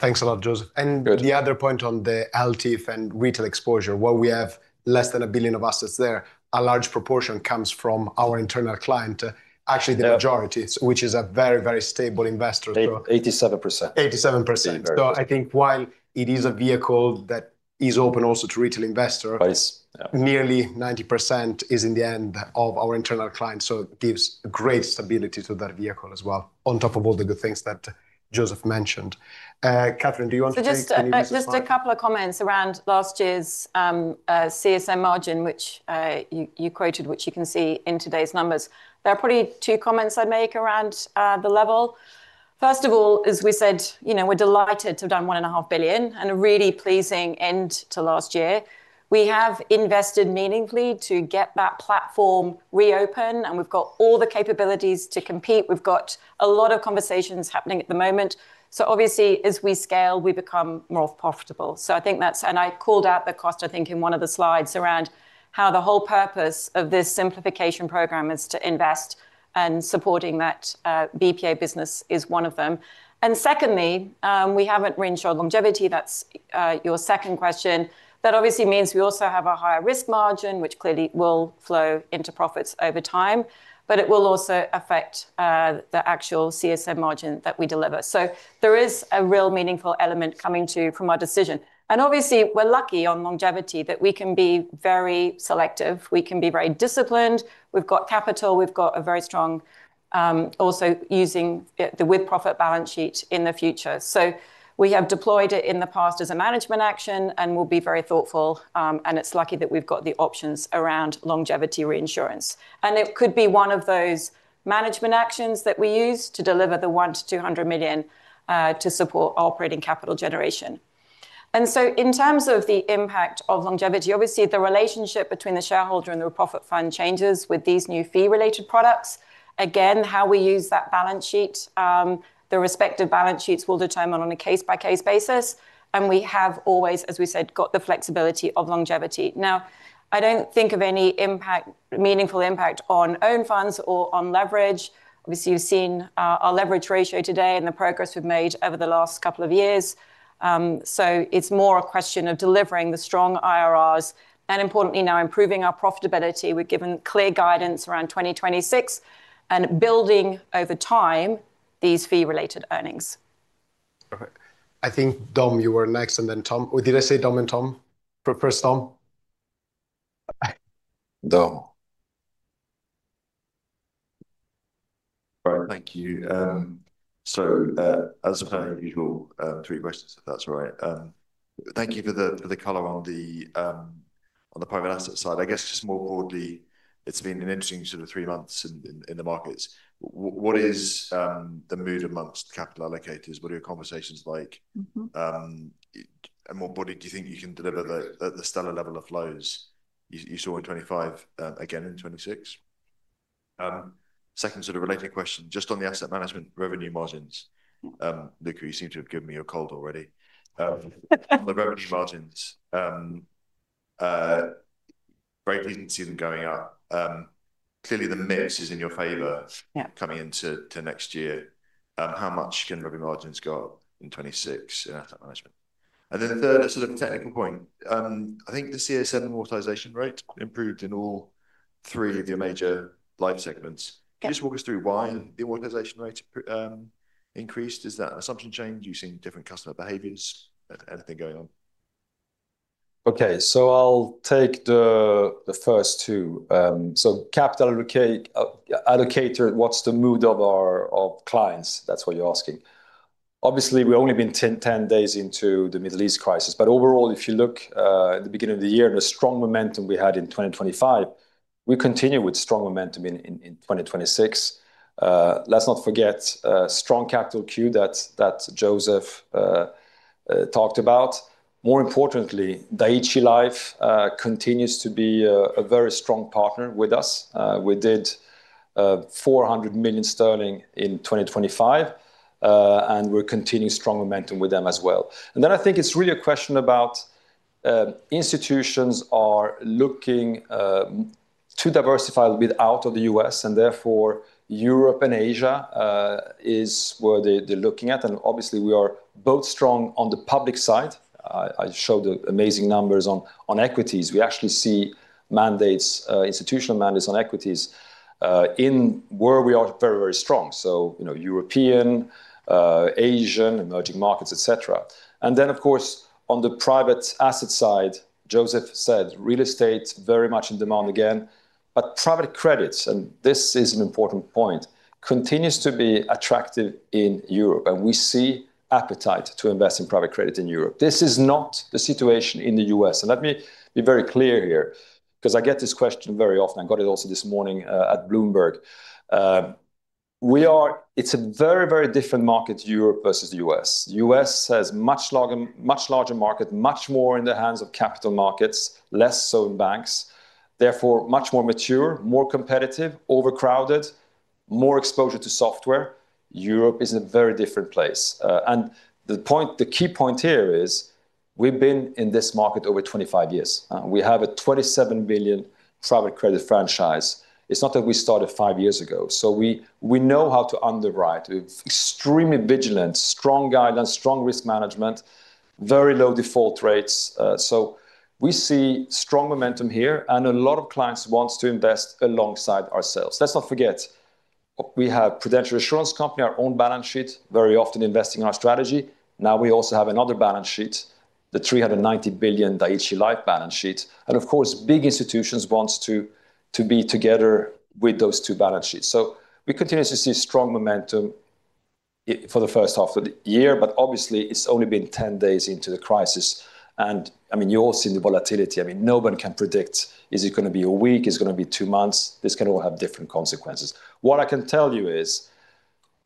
Thanks a lot, Joseph. Good. The other point on the ELTIF and retail exposure, while we have less than 1 billion of assets there, a large proportion comes from our internal client. Yeah. Actually, the majority, which is a very, very stable investor. 87%. 87%. Very stable. I think while it is a vehicle that is open also to retail investor- It is, yeah. Nearly 90% is intended for our internal clients. It gives great stability to that vehicle as well, on top of all the good things that Joseph mentioned. Kathryn, do you want to take any of those points? Just a couple of comments around last year's CSM margin, which you quoted, which you can see in today's numbers. There are probably two comments I'd make around the level. First of all, as we said, you know, we're delighted to have done 1.5 billion and a really pleasing end to last year. We have invested meaningfully to get that platform reopen, and we've got all the capabilities to compete. We've got a lot of conversations happening at the moment. Obviously, as we scale, we become more profitable. I think that's, and I called out the cost, I think, in one of the slides around how the whole purpose of this simplification program is to invest, and supporting that BPA business is one of them. Secondly, we haven't reinsured longevity. That's your second question. That obviously means we also have a higher risk margin, which clearly will flow into profits over time, but it will also affect the actual CSM margin that we deliver. There is a real meaningful element coming from our decision. Obviously, we're lucky on longevity that we can be very selective. We can be very disciplined. We've got capital. We've got a very strong also using the with-profits balance sheet in the future. We have deployed it in the past as a management action and will be very thoughtful, and it's lucky that we've got the options around longevity reinsurance. It could be one of those management actions that we use to deliver the 100 million-200 million to support operating capital generation. In terms of the impact of longevity, obviously, the relationship between the shareholder and the profit fund changes with these new fee-related products. Again, how we use that balance sheet, the respective balance sheets we'll determine on a case-by-case basis. We have always, as we said, got the flexibility of longevity. Now, I don't think of any impact, meaningful impact on own funds or on leverage. Obviously, you've seen our leverage ratio today and the progress we've made over the last couple of years. It's more a question of delivering the strong IRRs and importantly now improving our profitability. We've given clear guidance around 2026 and building over time these fee-related earnings. Perfect. I think, Dom, you were next, and then Tom. Or did I say Dom and Tom? Prefer Dom? Dom. All right. Thank you. As per usual, three questions, if that's all right. Thank you for the color on the private asset side. I guess just more broadly, it's been an interesting sort of three months in the markets. What is the mood amongst capital allocators? What are your conversations like? Mm-hmm. More broadly, do you think you can deliver the stellar level of flows you saw in 2025, again in 2026? Second sort of related question, just on the asset management revenue margins. Luca, you seem to have given me a cold already. On the revenue margins. Very pleased to see them going up. Clearly the mix is in your favor. Yeah... coming into the next year. How much can revenue margins go up in 2026 in asset management? The third sort of technical point, I think the CSM amortization rate improved in all three of your major life segments. Yeah. Can you just walk us through why the amortization rate increased? Is that an assumption change? You seeing different customer behaviors? Anything going on? Okay. I'll take the first two. Capital allocator, what's the mood of our clients? That's what you're asking. Obviously, we've only been 10 days into the Middle East crisis, but overall if you look at the beginning of the year and the strong momentum we had in 2025, we continue with strong momentum in 2026. Let's not forget strong capital inflows that Joseph talked about. More importantly, Dai-ichi Life continues to be a very strong partner with us. We did 400 million sterling in 2025, and we're continuing strong momentum with them as well. I think it's really a question about institutions are looking to diversify a bit out of the US, and therefore Europe and Asia is where they're looking at. Obviously we are both strong on the public side. I showed the amazing numbers on equities. We actually see mandates, institutional mandates on equities, in where we are very, very strong, so, you know, European, Asian, emerging markets, et cetera. Then of course, on the private asset side, Joseph said real estate very much in demand again. Private credits, and this is an important point, continues to be attractive in Europe, and we see appetite to invest in private credit in Europe. This is not the situation in the US. Let me be very clear here, 'cause I get this question very often. I got it also this morning, at Bloomberg. It's a very, very different market, Europe versus US. U.S. has much larger market, much more in the hands of capital markets, less so in banks, therefore much more mature, more competitive, overcrowded, more exposure to software. Europe is a very different place. The point, the key point here is we've been in this market over 25 years. We have a 27 billion private credit franchise. It's not that we started five years ago. We know how to underwrite. We're extremely vigilant, strong guidance, strong risk management, very low default rates. We see strong momentum here and a lot of clients wants to invest alongside ourselves. Let's not forget, we have Prudential Insurance Company, our own balance sheet, very often investing in our strategy. Now we also have another balance sheet, the 390 billion Dai-ichi Life balance sheet, and of course big institutions wants to be together with those two balance sheets. We continue to see strong momentum for the first half of the year, but obviously it's only been 10 days into the crisis and, I mean, you all have seen the volatility. I mean, no one can predict is it gonna be a week, is it gonna be two months? This can all have different consequences. What I can tell you is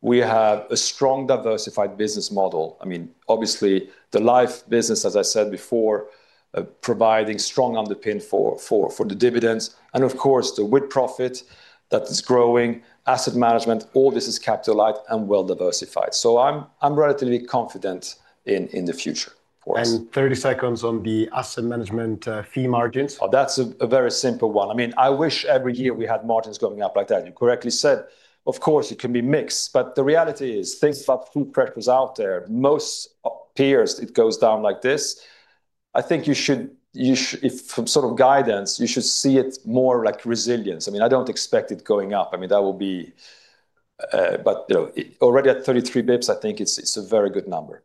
we have a strong diversified business model. I mean, obviously the life business, as I said before, providing strong underpin for the dividends and of course the with-profits that is growing, asset management, all this is capital-light and well diversified. I'm relatively confident in the future for us. 30 seconds on the asset management, fee margins. Oh, that's a very simple one. I mean, I wish every year we had margins going up like that. You correctly said, of course, it can be mixed, but the reality is things about fee pressures out there, most appears it goes down like this. I think you should, from sort of guidance, you should see it more like resilience. I mean, I don't expect it going up. I mean, that will be. You know, already at 33 basis points, I think it's a very good number.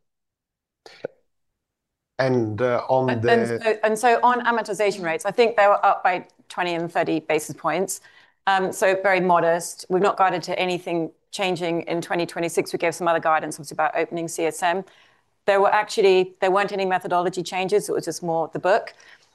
And, uh, on the- On amortization rates, I think they were up by 20 and 30 basis points, so very modest. We've not guided to anything changing in 2026. We gave some other guidance, it was about opening CSM. There weren't any methodology changes. It was just more the book.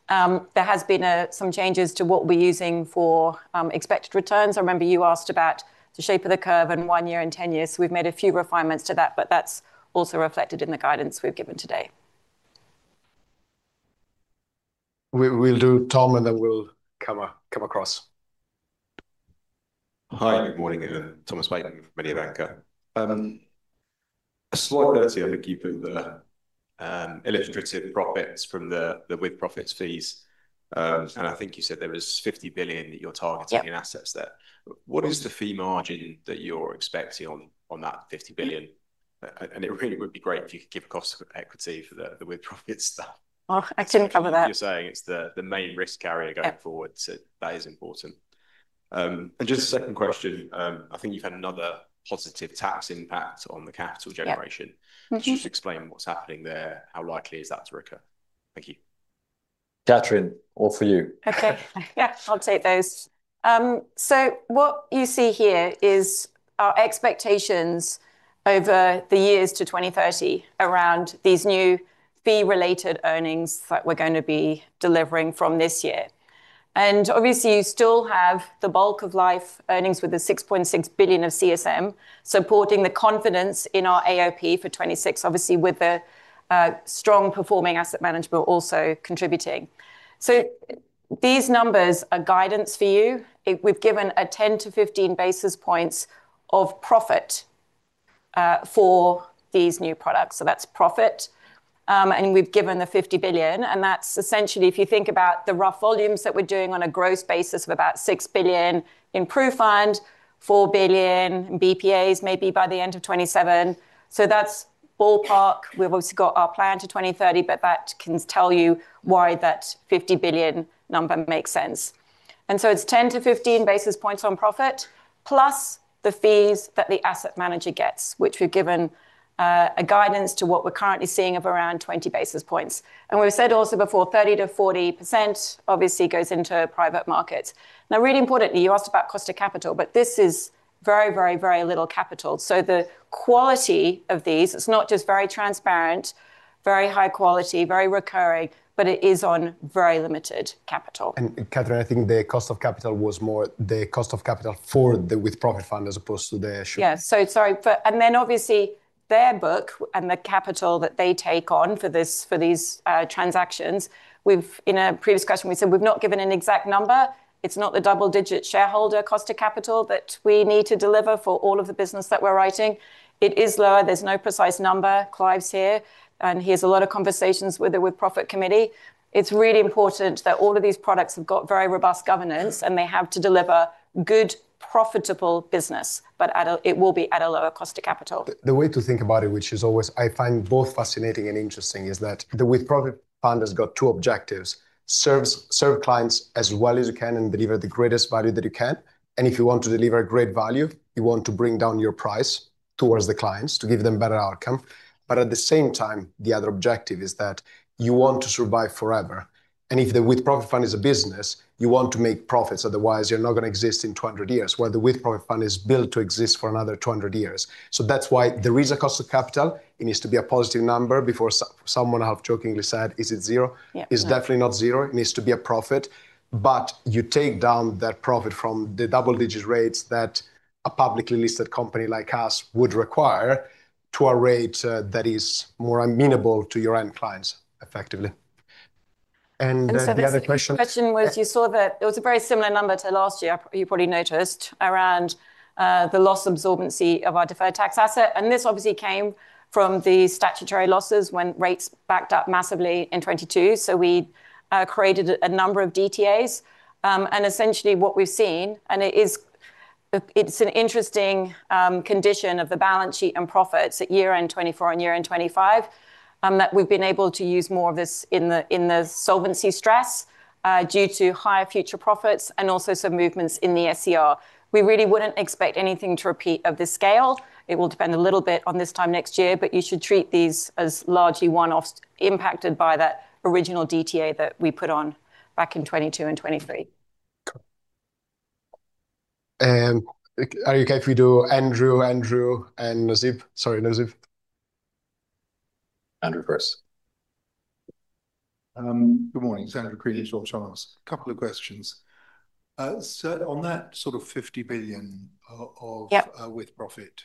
There has been some changes to what we're using for expected returns. I remember you asked about the shape of the curve in one year and 10 years. We've made a few refinements to that, but that's also reflected in the guidance we've given today. We'll do Tom, and then we'll come across. Hi. Good morning. Thomas Bateman from Mediobanca. A slight clarification. I think you put the illustrative profits from the with-profits fees, and I think you said there was 50 billion that you're targeting. Yep... in assets there. What is the fee margin that you're expecting on that 50 billion? It really would be great if you could give a cost of equity for the with-profits. Oh, I didn't cover that. You're saying it's the main risk carrier going forward. Yeah That is important. Just a second question. I think you've had another positive tax impact on the capital generation. Yeah. Mm-hmm. Can you just explain what's happening there? How likely is that to recur? Thank you. Kathryn, all for you. Okay. Yeah, I'll take those. What you see here is our expectations over the years to 2030 around these new fee-related earnings that we're gonna be delivering from this year. Obviously you still have the bulk of life earnings with the 6.6 billion of CSM supporting the confidence in our AOP for 2026, obviously with the strong performing asset management but also contributing. These numbers are guidance for you. We've given 10-15 basis points of profit for these new products. That's profit. We've given the 50 billion, and that's essentially if you think about the rough volumes that we're doing on a gross basis of about 6 billion in PruFund, 4 billion BPAs maybe by the end of 2027. That's ballpark. We've also got our plan to 2030, but that can tell you why that 50 billion number makes sense. It's 10-15 basis points on profit, plus the fees that the asset manager gets, which we've given a guidance to what we're currently seeing of around 20 basis points. We've said also before 30%-40% obviously goes into private markets. Now, really importantly, you asked about cost of capital, but this is very, very, very little capital. The quality of these, it's not just very transparent, very high quality, very recurring, but it is on very limited capital. Kathryn, I think the cost of capital was more the cost of capital for the with-profits fund as opposed to the issue. Sorry. Obviously their book and the capital that they take on for these transactions, in a previous question, we said we've not given an exact number. It's not the double-digit shareholder cost of capital that we need to deliver for all of the business that we're writing. It is lower. There's no precise number. Clive's here, and he has a lot of conversations with the with-profits committee. It's really important that all of these products have got very robust governance, and they have to deliver good, profitable business, but at a lower cost of capital. The way to think about it, which is always I find both fascinating and interesting, is that the with-profits fund has got two objectives. Serve clients as well as you can and deliver the greatest value that you can. If you want to deliver great value, you want to bring down your price towards the clients to give them better outcome. At the same time, the other objective is that you want to survive forever. If the with-profits fund is a business, you want to make profits, otherwise you're not gonna exist in 200 years. While the with-profits fund is built to exist for another 200 years. That's why there is a cost of capital. It needs to be a positive number. Before someone have jokingly said, "Is it zero? Yeah. It's definitely not zero. It needs to be a profit. You take down that profit from the double digit rates that a publicly listed company like us would require to a rate that is more amenable to your end clients, effectively. The second question was you saw that it was a very similar number to last year, you probably noticed, around the loss-absorbing capacity of our deferred tax assets. This obviously came from the statutory losses when rates backed up massively in 2022. We created a number of DTAs. Essentially what we've seen, and it is an interesting condition of the balance sheet and profits at year-end 2024 and year-end 2025, that we've been able to use more of this in the solvency stress due to higher future profits and also some movements in the SCR. We really wouldn't expect anything to repeat of this scale. It will depend a little bit on this time next year, but you should treat these as largely one-offs impacted by that original DTA that we put on back in 2022 and 2023. Cool. Are you okay if we do Andrew and Nasib? Sorry, Nasib. Andrew first. Good morning. It's Andrew from Credit Suisse. A couple of questions. On that sort of 50 billion. Yep. With-profits,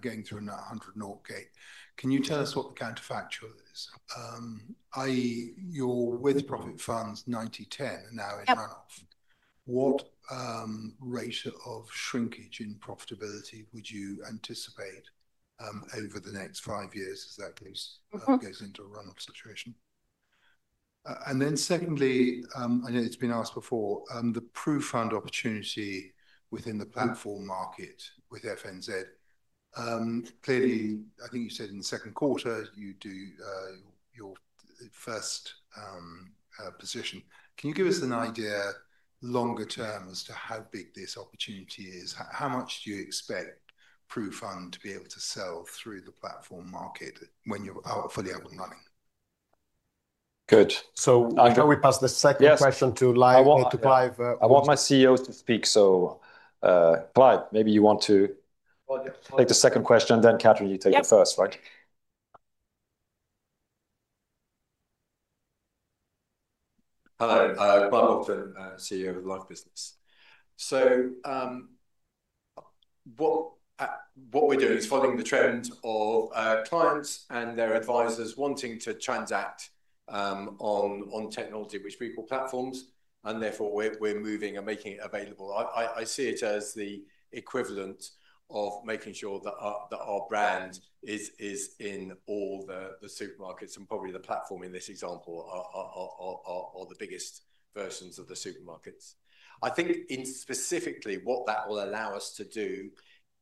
going through 100 Northgate, can you tell us what the counterfactual is? I.e., your with-profits funds 90/10 are now in run-off. Yep. What rate of shrinkage in profitability would you anticipate over the next five years as that goes- Mm-hmm. Goes into a run-off situation? Secondly, I know it's been asked before, the PruFund opportunity within the platform market with FNZ. Clearly, I think you said in the second quarter you do your first position. Can you give us an idea longer term as to how big this opportunity is? How much do you expect PruFund to be able to sell through the platform market when you're fully up and running? Good. Shall we pass the second question? Yes. To leave it to Clive, I want my CEO to speak, so, Clive, maybe you want to take the second question, then Kathryn, you take the first, right? Yep. Hello, Clive Bolton, CEO of the Life Business. What we're doing is following the trend of clients and their advisors wanting to transact on technology which we call platforms, and therefore we're moving and making it available. I see it as the equivalent of making sure that our brand is in all the supermarkets and probably the platform in this example are the biggest versions of the supermarkets. I think in specifically what that will allow us to do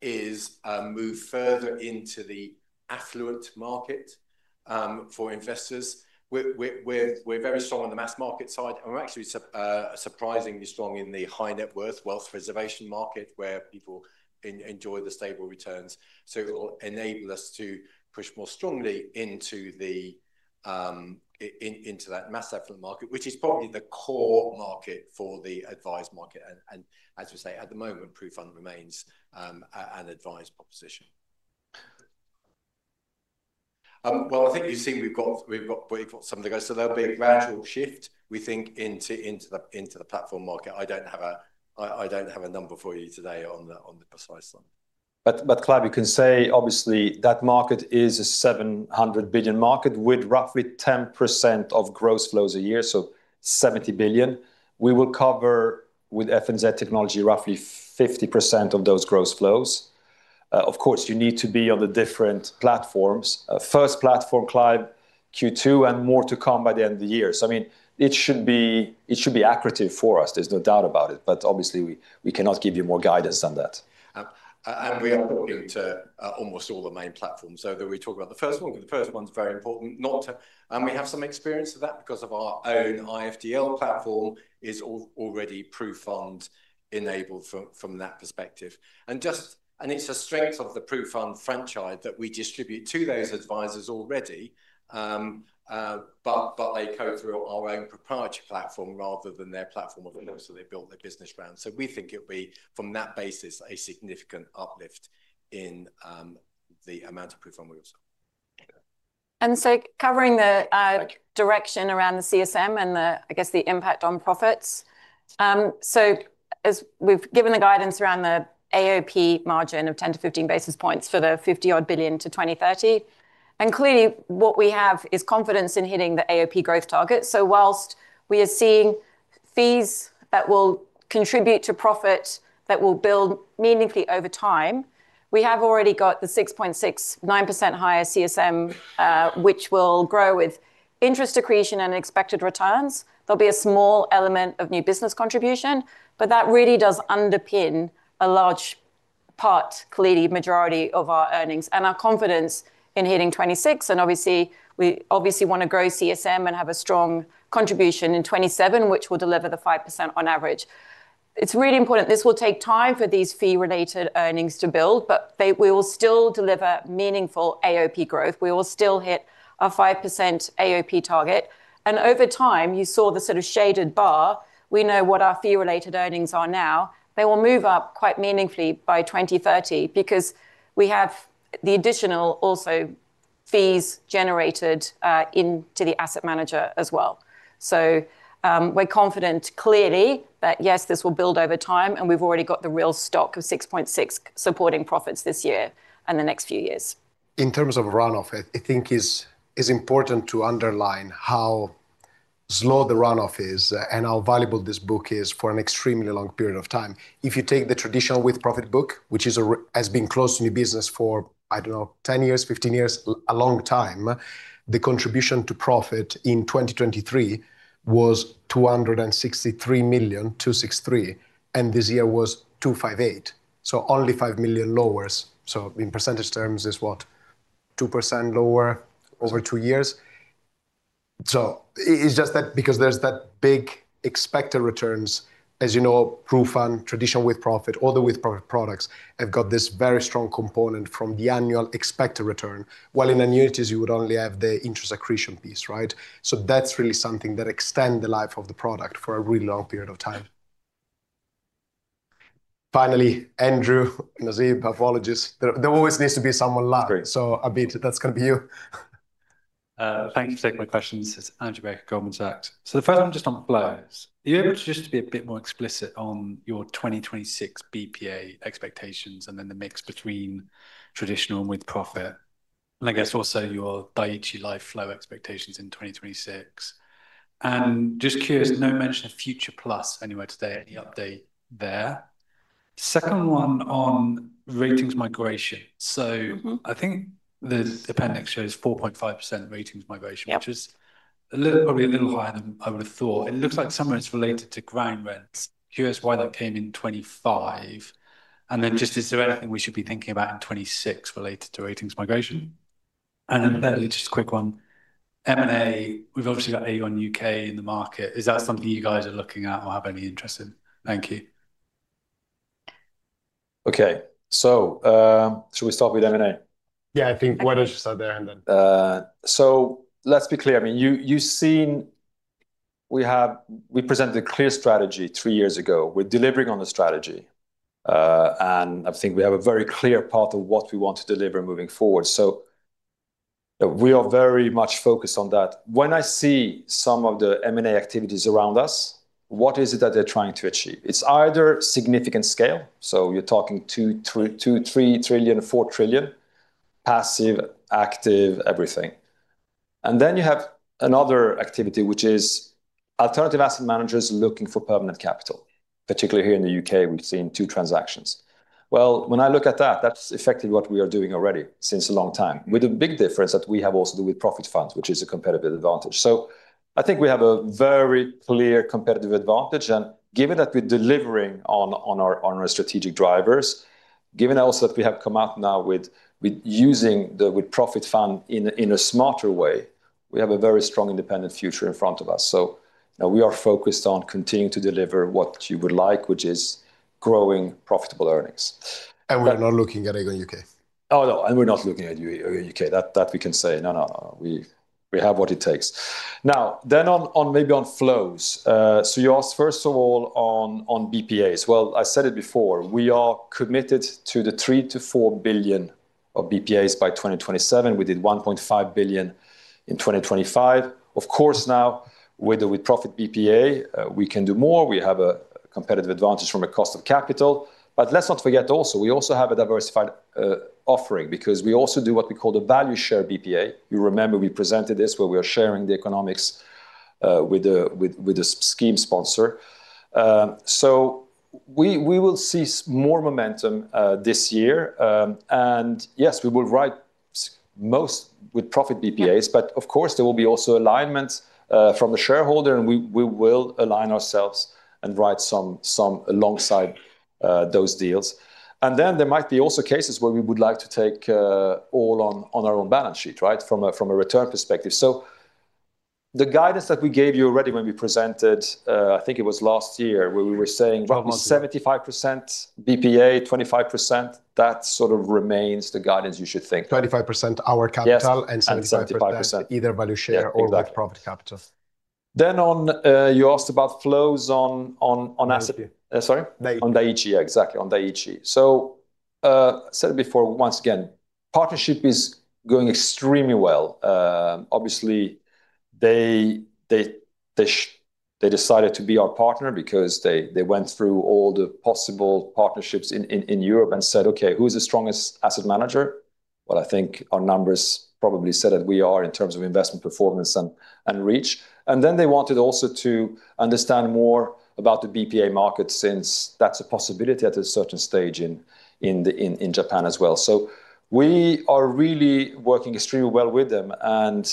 is move further into the affluent market for investors. We're very strong on the mass market side, and we're actually surprisingly strong in the high net worth wealth preservation market where people enjoy the stable returns. It will enable us to push more strongly into that mass affluent market, which is probably the core market for the advised market. As we say, at the moment, PruFund remains an advised proposition. I think you've seen we've got some of the guys. There'll be a gradual shift, we think, into the platform market. I don't have a number for you today on the precise one. Clive, you can say obviously that market is a 700 billion market with roughly 10% of gross flows a year so 70 billion. We will cover with FNZ technology roughly 50% of those gross flows. Of course, you need to be on the different platforms. First platform live in Q2 and more to come by the end of the year. I mean, it should be accretive for us, there's no doubt about it. Obviously we cannot give you more guidance than that. We are talking to almost all the main platforms. Though we talk about the first one, but the first one's very important. We have some experience of that 'cause of our own IFDL platform is already PruFund enabled from that perspective. It's a strength of the PruFund franchise that we distribute to those advisors already, but they go through our own proprietary platform rather than their platform of which they built their business around. We think it'll be, from that basis, a significant uplift in the amount of PruFund we will sell. Covering the direction around the CSM and the, I guess, the impact on profits. As we've given the guidance around the AOP margin of 10-15 basis points for the 50 billion to 2030, and clearly what we have is confidence in hitting the AOP growth target. Whilst we are seeing fees that will contribute to profit that will build meaningfully over time, we have already got the 6.69% higher CSM, which will grow with interest accretion and expected returns. There'll be a small element of new business contribution, but that really does underpin a large part, clearly majority of our earnings and our confidence in hitting 2026. Obviously, we wanna grow CSM and have a strong contribution in 2027, which will deliver the 5% on average. It's really important. This will take time for these fee-related earnings to build, but they will still deliver meaningful AOP growth. We will still hit our 5% AOP target. Over time, you saw the sort of shaded bar. We know what our fee-related earnings are now. They will move up quite meaningfully by 2030 because we have the additional also fees generated into the asset manager as well. We're confident clearly that, yes, this will build over time, and we've already got the real stock of 6.6 supporting profits this year and the next few years. In terms of run-off, I think it's important to underline how slow the run-off is and how valuable this book is for an extremely long period of time. If you take the traditional with-profits book, which has been closed to new business for, I don't know, 10 years, 15 years, a long time, the contribution to profit in 2023 was 263 million, and this year was 258 million. Only 5 million lower. In percentage terms is what? 2% lower over two years. It's just that because there's that big expected returns, as you know, PruFund and traditional with-profits, all the with-profits products have got this very strong component from the annual expected return. While in annuities, you would only have the interest accretion piece, right? That's really something that extend the life of the product for a really long period of time. Finally, Andrew, Nasib, analysts. There always needs to be someone last. Great. Abid, that's gonna be you. Thanks for taking my questions. It's Andrew Baker, Goldman Sachs. The first one just on flows. Are you able to just be a bit more explicit on your 2026 BPA expectations and then the mix between traditional and with-profits? I guess also your Dai-ichi Life flow expectations in 2026. Just curious, no mention of Future+ anywhere today. Any update there? Second one on ratings migration. Mm-hmm. I think the appendix shows 4.5% ratings migration. Yep. Which is a little, probably a little higher than I would have thought. It looks like some of it's related to ground rents. Curious why that came in 25? Just, is there anything we should be thinking about in 2026 related to ratings migration? Thirdly, just a quick one. M&A, we've obviously got Aon UK in the market. Is that something you guys are looking at or have any interest in? Thank you. Okay. Should we start with M&A? Yeah, I think why don't you start there and then. Let's be clear. I mean, you've seen we have presented a clear strategy 3 years ago. We're delivering on the strategy. I think we have a very clear path of what we want to deliver moving forward. We are very much focused on that. When I see some of the M&A activities around us, what is it that they're trying to achieve? It's either significant scale, so you're talking 2-3 trillion, 4 trillion, passive, active, everything. And then you have another activity, which is alternative asset managers looking for permanent capital, particularly here in the U.K., we've seen two transactions. Well, when I look at that's effectively what we are doing already since a long time, with a big difference that we have also the with-profits funds, which is a competitive advantage. I think we have a very clear competitive advantage, and given that we're delivering on our strategic drivers, given also that we have come out now with using the with-profits fund in a smarter way, we have a very strong independent future in front of us. You know, we are focused on continuing to deliver what you would like, which is growing profitable earnings. We are not looking at Aon UK. Oh, no. We're not looking at Aon UK. That we can say. No. We have what it takes. Now on flows. You asked, first of all, on BPAs. Well, I said it before, we are committed to the 3 billion-4 billion of BPAs by 2027. We did 1.5 billion in 2025. Of course, now with the with-profits BPA, we can do more. We have a competitive advantage from a cost of capital. Let's not forget also, we also have a diversified offering because we also do what we call the Value Share BPA. You remember we presented this where we are sharing the economics with the scheme sponsor. We will see more momentum this year. Yes, we will write most With-Profits BPAs, but of course there will be also alignments from the shareholder and we will align ourselves and write some alongside those deals. There might be also cases where we would like to take all on our own balance sheet, right? From a return perspective. The guidance that we gave you already when we presented, I think it was last year, where we were saying 75% BPA, 25%, that sort of remains the guidance you should think. 25% our capital Yes. 75% 75% either Value Share or With-Profits capital. You asked about flows on asset- Dai-ichi. Sorry? Dai-ichi. On Dai-ichi Life. Exactly. On Dai-ichi Life. I said it before, once again, partnership is going extremely well. Obviously they decided to be our partner because they went through all the possible partnerships in Europe and said, "Okay, who's the strongest asset manager?" Well, I think our numbers probably said that we are in terms of investment performance and reach. They wanted also to understand more about the BPA market since that's a possibility at a certain stage in Japan as well. We are really working extremely well with them and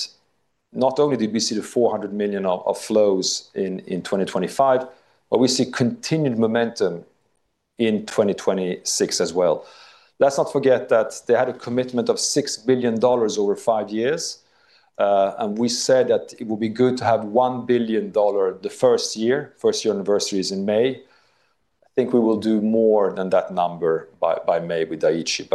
not only did we see the 400 million of flows in 2025, but we see continued momentum in 2026 as well. Let's not forget that they had a commitment of $6 billion over five years. We said that it would be good to have $1 billion the first year. First year anniversary is in May. I think we will do more than that number by May with Dai-ichi.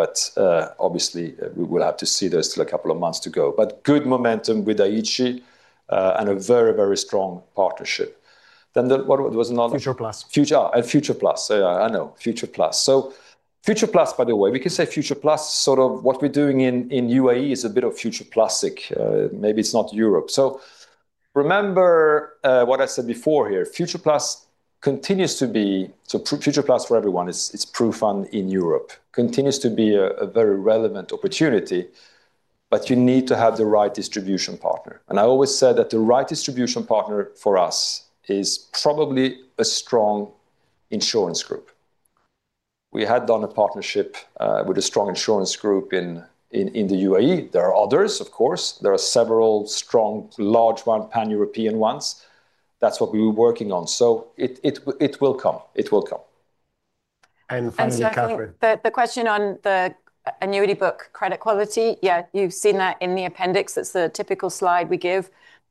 Obviously we will have to see. There's still a couple of months to go. Good momentum with Dai-ichi and a very, very strong partnership. Then what was another? Future+. Future+. Future+. Yeah, I know. Future+. Future+, by the way, we can say Future+ sort of what we're doing in UAE is a bit of Future+-ic. Maybe it's not Europe. Remember what I said before here, Future+ for everyone is, it's PruFund in Europe, continues to be a very relevant opportunity, but you need to have the right distribution partner. I always said that the right distribution partner for us is probably a strong insurance group. We had done a partnership with a strong insurance group in the UAE. There are others, of course. There are several strong large one, pan-European ones. That's what we were working on. It will come. It will come. Finally, Kathryn. Certainly the question on the annuity book credit quality, yeah, you've seen that in the appendix. That's the typical slide we give.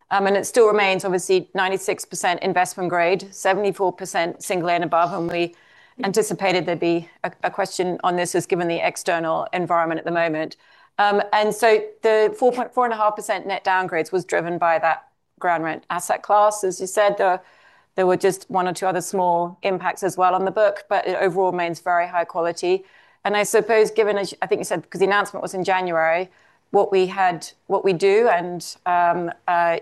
It still remains obviously 96% investment grade, 74% single-A and above. We anticipated there'd be a question on this as given the external environment at the moment. The 4.5% net downgrades was driven by that ground rent asset class. As you said, there were just one or two other small impacts as well on the book. It overall remains very high quality, and I suppose given as, I think you said, because the announcement was in January, what we had, what we do and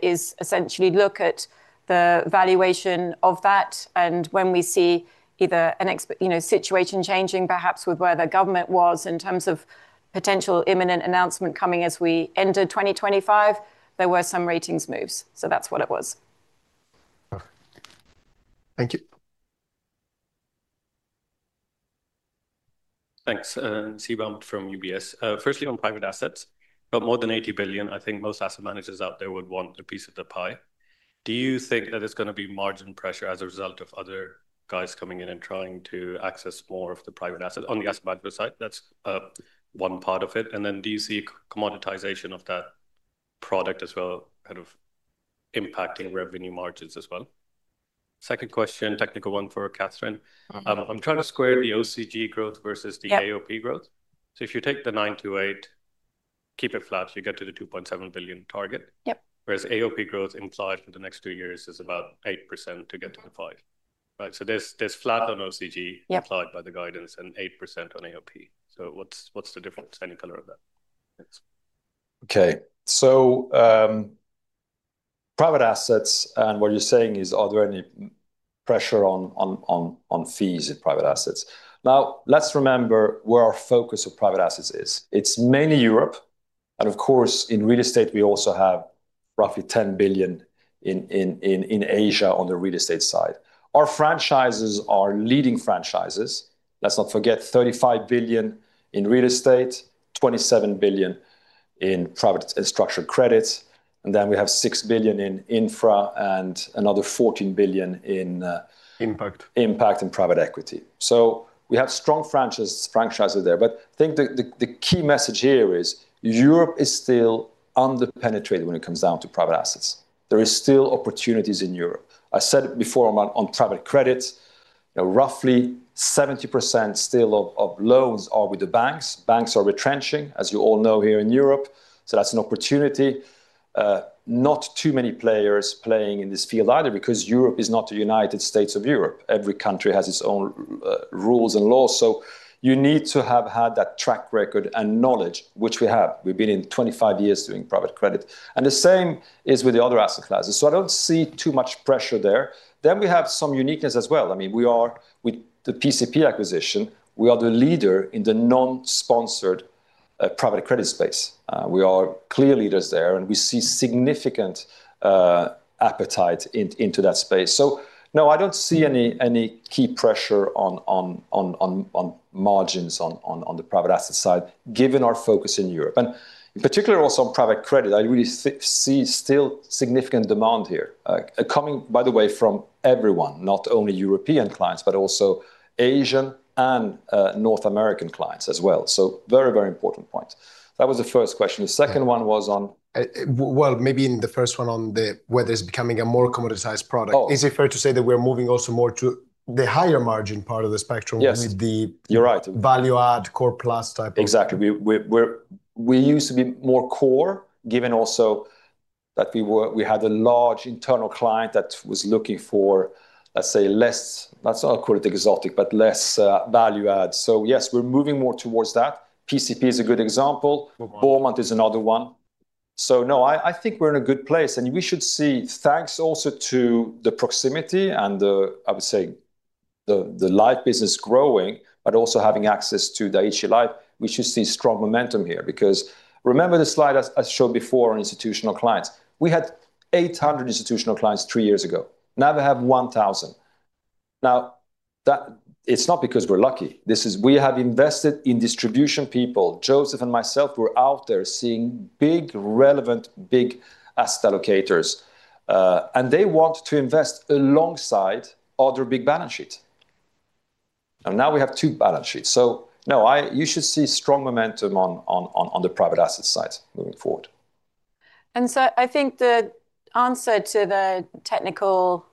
is essentially look at the valuation of that and when we see either you know, situation changing perhaps with where the government was in terms of potential imminent announcement coming as we enter 2025, there were some ratings moves. That's what it was. Perfect. Thank you. Thanks. Nasib Ahmed from UBS. Firstly on private assets, about more than 80 billion, I think most asset managers out there would want a piece of the pie. Do you think that it's gonna be margin pressure as a result of other guys coming in and trying to access more of the private assets on the asset manager side? That's one part of it. Do you see commoditization of that product as well kind of impacting revenue margins as well? Second question, technical one for Kathryn McLeland. Mm-hmm. I'm trying to square the OCG growth versus the AOP growth. Yep. If you take the 928, keep it flat, you get to the 2.7 billion target. Yep. Whereas AOP growth implied for the next two years is about 8% to get to the 5%, right? There's flat on OCG- Yep... applied by the guidance and 8% on AOP. What's the difference, any color on that? Thanks. Okay. Private assets and what you're saying is are there any pressure on fees in private assets? Now, let's remember where our focus of private assets is. It's mainly Europe, and of course in real estate we also have roughly 10 billion in Asia on the real estate side. Our franchises are leading franchises. Let's not forget 35 billion in real estate, 27 billion in private structured credits, and then we have 6 billion in infra and another 14 billion in Impact impact and private equity. We have strong franchises there, but I think the key message here is Europe is still under-penetrated when it comes down to private assets. There is still opportunities in Europe. I said it before on private credit, you know, roughly 70% still of loans are with the banks. Banks are retrenching, as you all know, here in Europe, so that's an opportunity. Not too many players playing in this field either because Europe is not a United States of Europe. Every country has its own rules and laws, so you need to have had that track record and knowledge, which we have. We've been in 25 years doing private credit. The same is with the other asset classes, so I don't see too much pressure there. We have some uniqueness as well. I mean, we are with the PCP acquisition, we are the leader in the non-sponsored private credit space. We are clear leaders there, and we see significant appetite into that space. So no, I don't see any key pressure on margins on the private asset side given our focus in Europe. In particular also on private credit, I really see still significant demand here. Coming by the way from everyone, not only European clients, but also Asian and North American clients as well. So very, very important point. That was the first question. The second one was on- Well, maybe in the first one on the, whether it's becoming a more commoditized product. Oh. Is it fair to say that we're moving also more to the higher margin part of the spectrum? Yes... with the- You're right. value add core plus type of Exactly. We used to be more core given also that we had a large internal client that was looking for, let's say, less, let's not call it exotic, but less, value add. Yes, we're moving more towards that. PCP is a good example. Mm-hmm. BauMont is another one. No, I think we're in a good place, and we should see, thanks also to the proximity and the, I would say, the life business growing, but also having access to the HL Life, we should see strong momentum here. Because remember the slide as shown before on institutional clients. We had 800 institutional clients three years ago. Now they have 1,000. Now, that it's not because we're lucky. This is. We have invested in distribution people. Joseph and myself were out there seeing big, relevant, big asset allocators, and they want to invest alongside other big balance sheets. Now we have two balance sheets. No. You should see strong momentum on the private asset side moving forward. I think the answer to the technical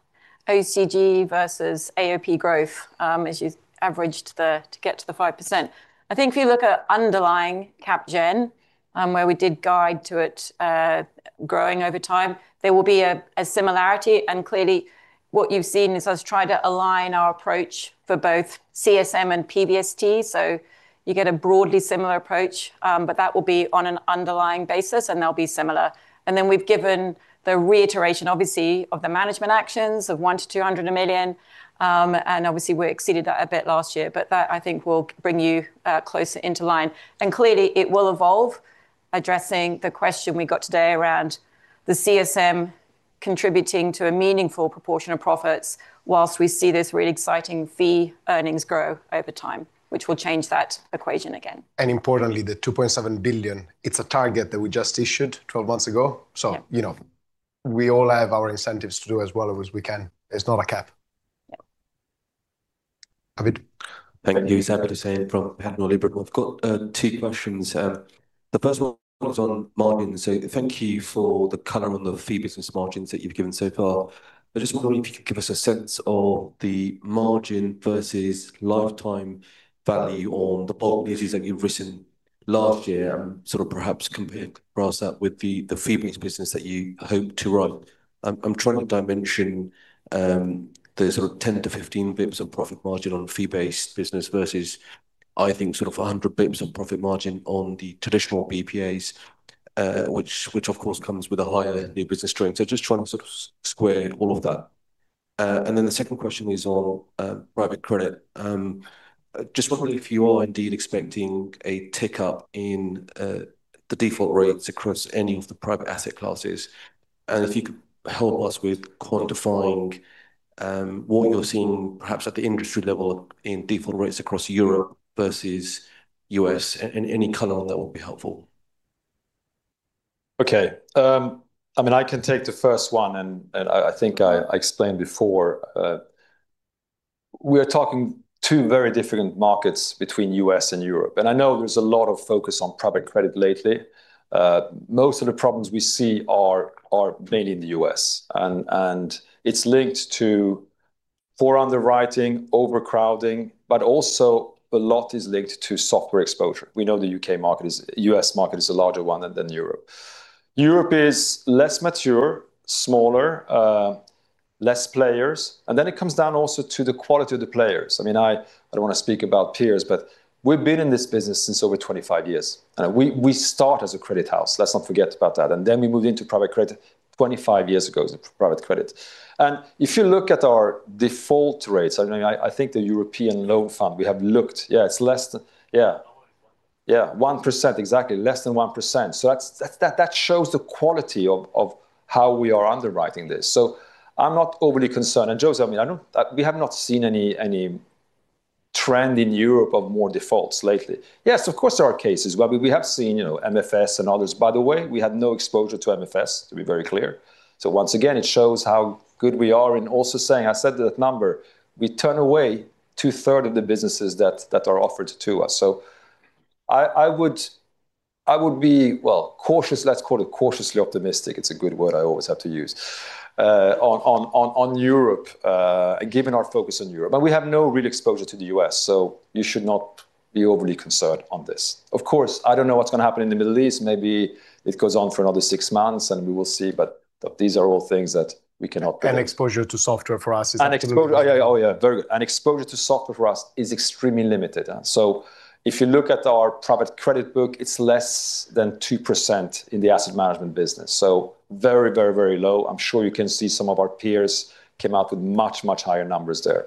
OCG versus AOP growth, as you averaged them to get to the 5%, I think if you look at underlying cap gen, where we did guide to it, growing over time, there will be a similarity, and clearly what you've seen is us try to align our approach for both CSM and PBST. You get a broadly similar approach, but that will be on an underlying basis, and they'll be similar. We've given the reiteration obviously of the management actions of 100 million-200 million, and obviously we exceeded that a bit last year. That, I think, will bring you closer into line. Clearly it will evolve addressing the question we got today around the CSM contributing to a meaningful proportion of profits while we see this really exciting fee earnings grow over time, which will change that equation again. Importantly, the 2.7 billion, it's a target that we just issued 12 months ago. Yeah. You know, we all have our incentives to do as well as we can. It's not a cap. Yeah. Abid. Thank you. It's Abid Hussain from Panmure Gordon. I've got two questions. The first one was on margin. Thank you for the color on the fee business margins that you've given so far. I just wonder if you could give us a sense of the margin versus lifetime value on the bulk business that you've written last year, and sort of perhaps compare, cross that with the fee-based business that you hope to run. I'm trying to dimension the sort of 10-15 basis points on profit margin on fee-based business versus, I think sort of 100 basis points on profit margin on the traditional BPAs, which of course comes with a higher new business stream. Just trying to sort of square all of that. And then the second question is on private credit. Just wondering if you are indeed expecting a tick up in the default rates across any of the private asset classes, and if you could help us with quantifying what you're seeing perhaps at the industry level in default rates across Europe versus U.S., any color on that would be helpful? Okay. I mean, I can take the first one, and I think I explained before, we're talking two very different markets between U.S. and Europe, and I know there's a lot of focus on private credit lately. Most of the problems we see are mainly in the U.S. and it's linked to poor underwriting, overcrowding, but also a lot is linked to sponsor exposure. We know the U.S. market is a larger one than Europe. Europe is less mature, smaller, less players, and then it comes down also to the quality of the players. I mean, I don't wanna speak about peers, but we've been in this business since over 25 years. We start as a credit house. Let's not forget about that. We moved into private credit 25 years ago as a private credit. If you look at our default rates, I mean, I think the European loan fund, we have looked. Yeah, it's less than. Yeah. One. Yeah. 1% exactly. Less than 1%. That shows the quality of how we are underwriting this. I'm not overly concerned. Joseph, I mean, we have not seen any trend in Europe of more defaults lately. Yes, of course, there are cases. Well, we have seen, you know, MFS and others. By the way, we have no exposure to MFS, to be very clear. Once again, it shows how good we are in also saying, I said that number. We turn away two-thirds of the businesses that are offered to us. I would be, well, cautious, let's call it cautiously optimistic. It's a good word I always have to use on Europe given our focus on Europe. We have no real exposure to the U.S., so you should not be overly concerned on this. Of course, I don't know what's gonna happen in the Middle East. Maybe it goes on for another six months and we will see, but these are all things that we cannot control. Exposure to software for us is absolutely. Oh, yeah. Oh, yeah. Very good. Exposure to software for us is extremely limited. So if you look at our private credit book, it's less than 2% in the asset management business. Very, very, very low. I'm sure you can see some of our peers came out with much, much higher numbers there.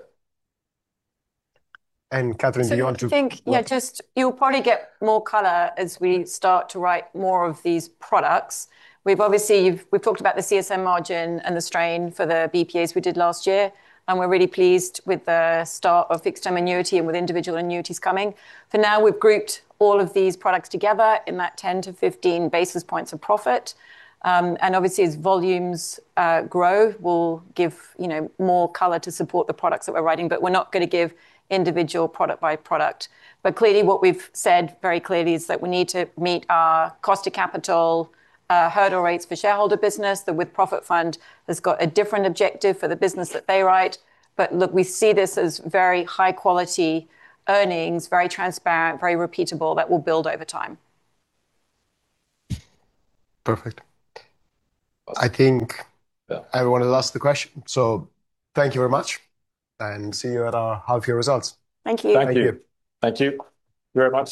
Kathryn, do you want to. I think, yeah, just you'll probably get more color as we start to write more of these products. We've obviously talked about the CSM margin and the strain for the BPAs we did last year, and we're really pleased with the start of fixed term annuity and with individual annuities coming. For now, we've grouped all of these products together in that 10-15 basis points of profit. Obviously as volumes grow, we'll give, you know, more color to support the products that we're writing, but we're not gonna give individual product by product. Clearly what we've said very clearly is that we need to meet our cost of capital hurdle rates for shareholder business. The With-Profits Fund has got a different objective for the business that they write. Look, we see this as very high quality earnings, very transparent, very repeatable that will build over time. Perfect. I think everyone has asked the question. Thank you very much and see you at our half year results. Thank you. Thank you. Thank you. Thank you very much.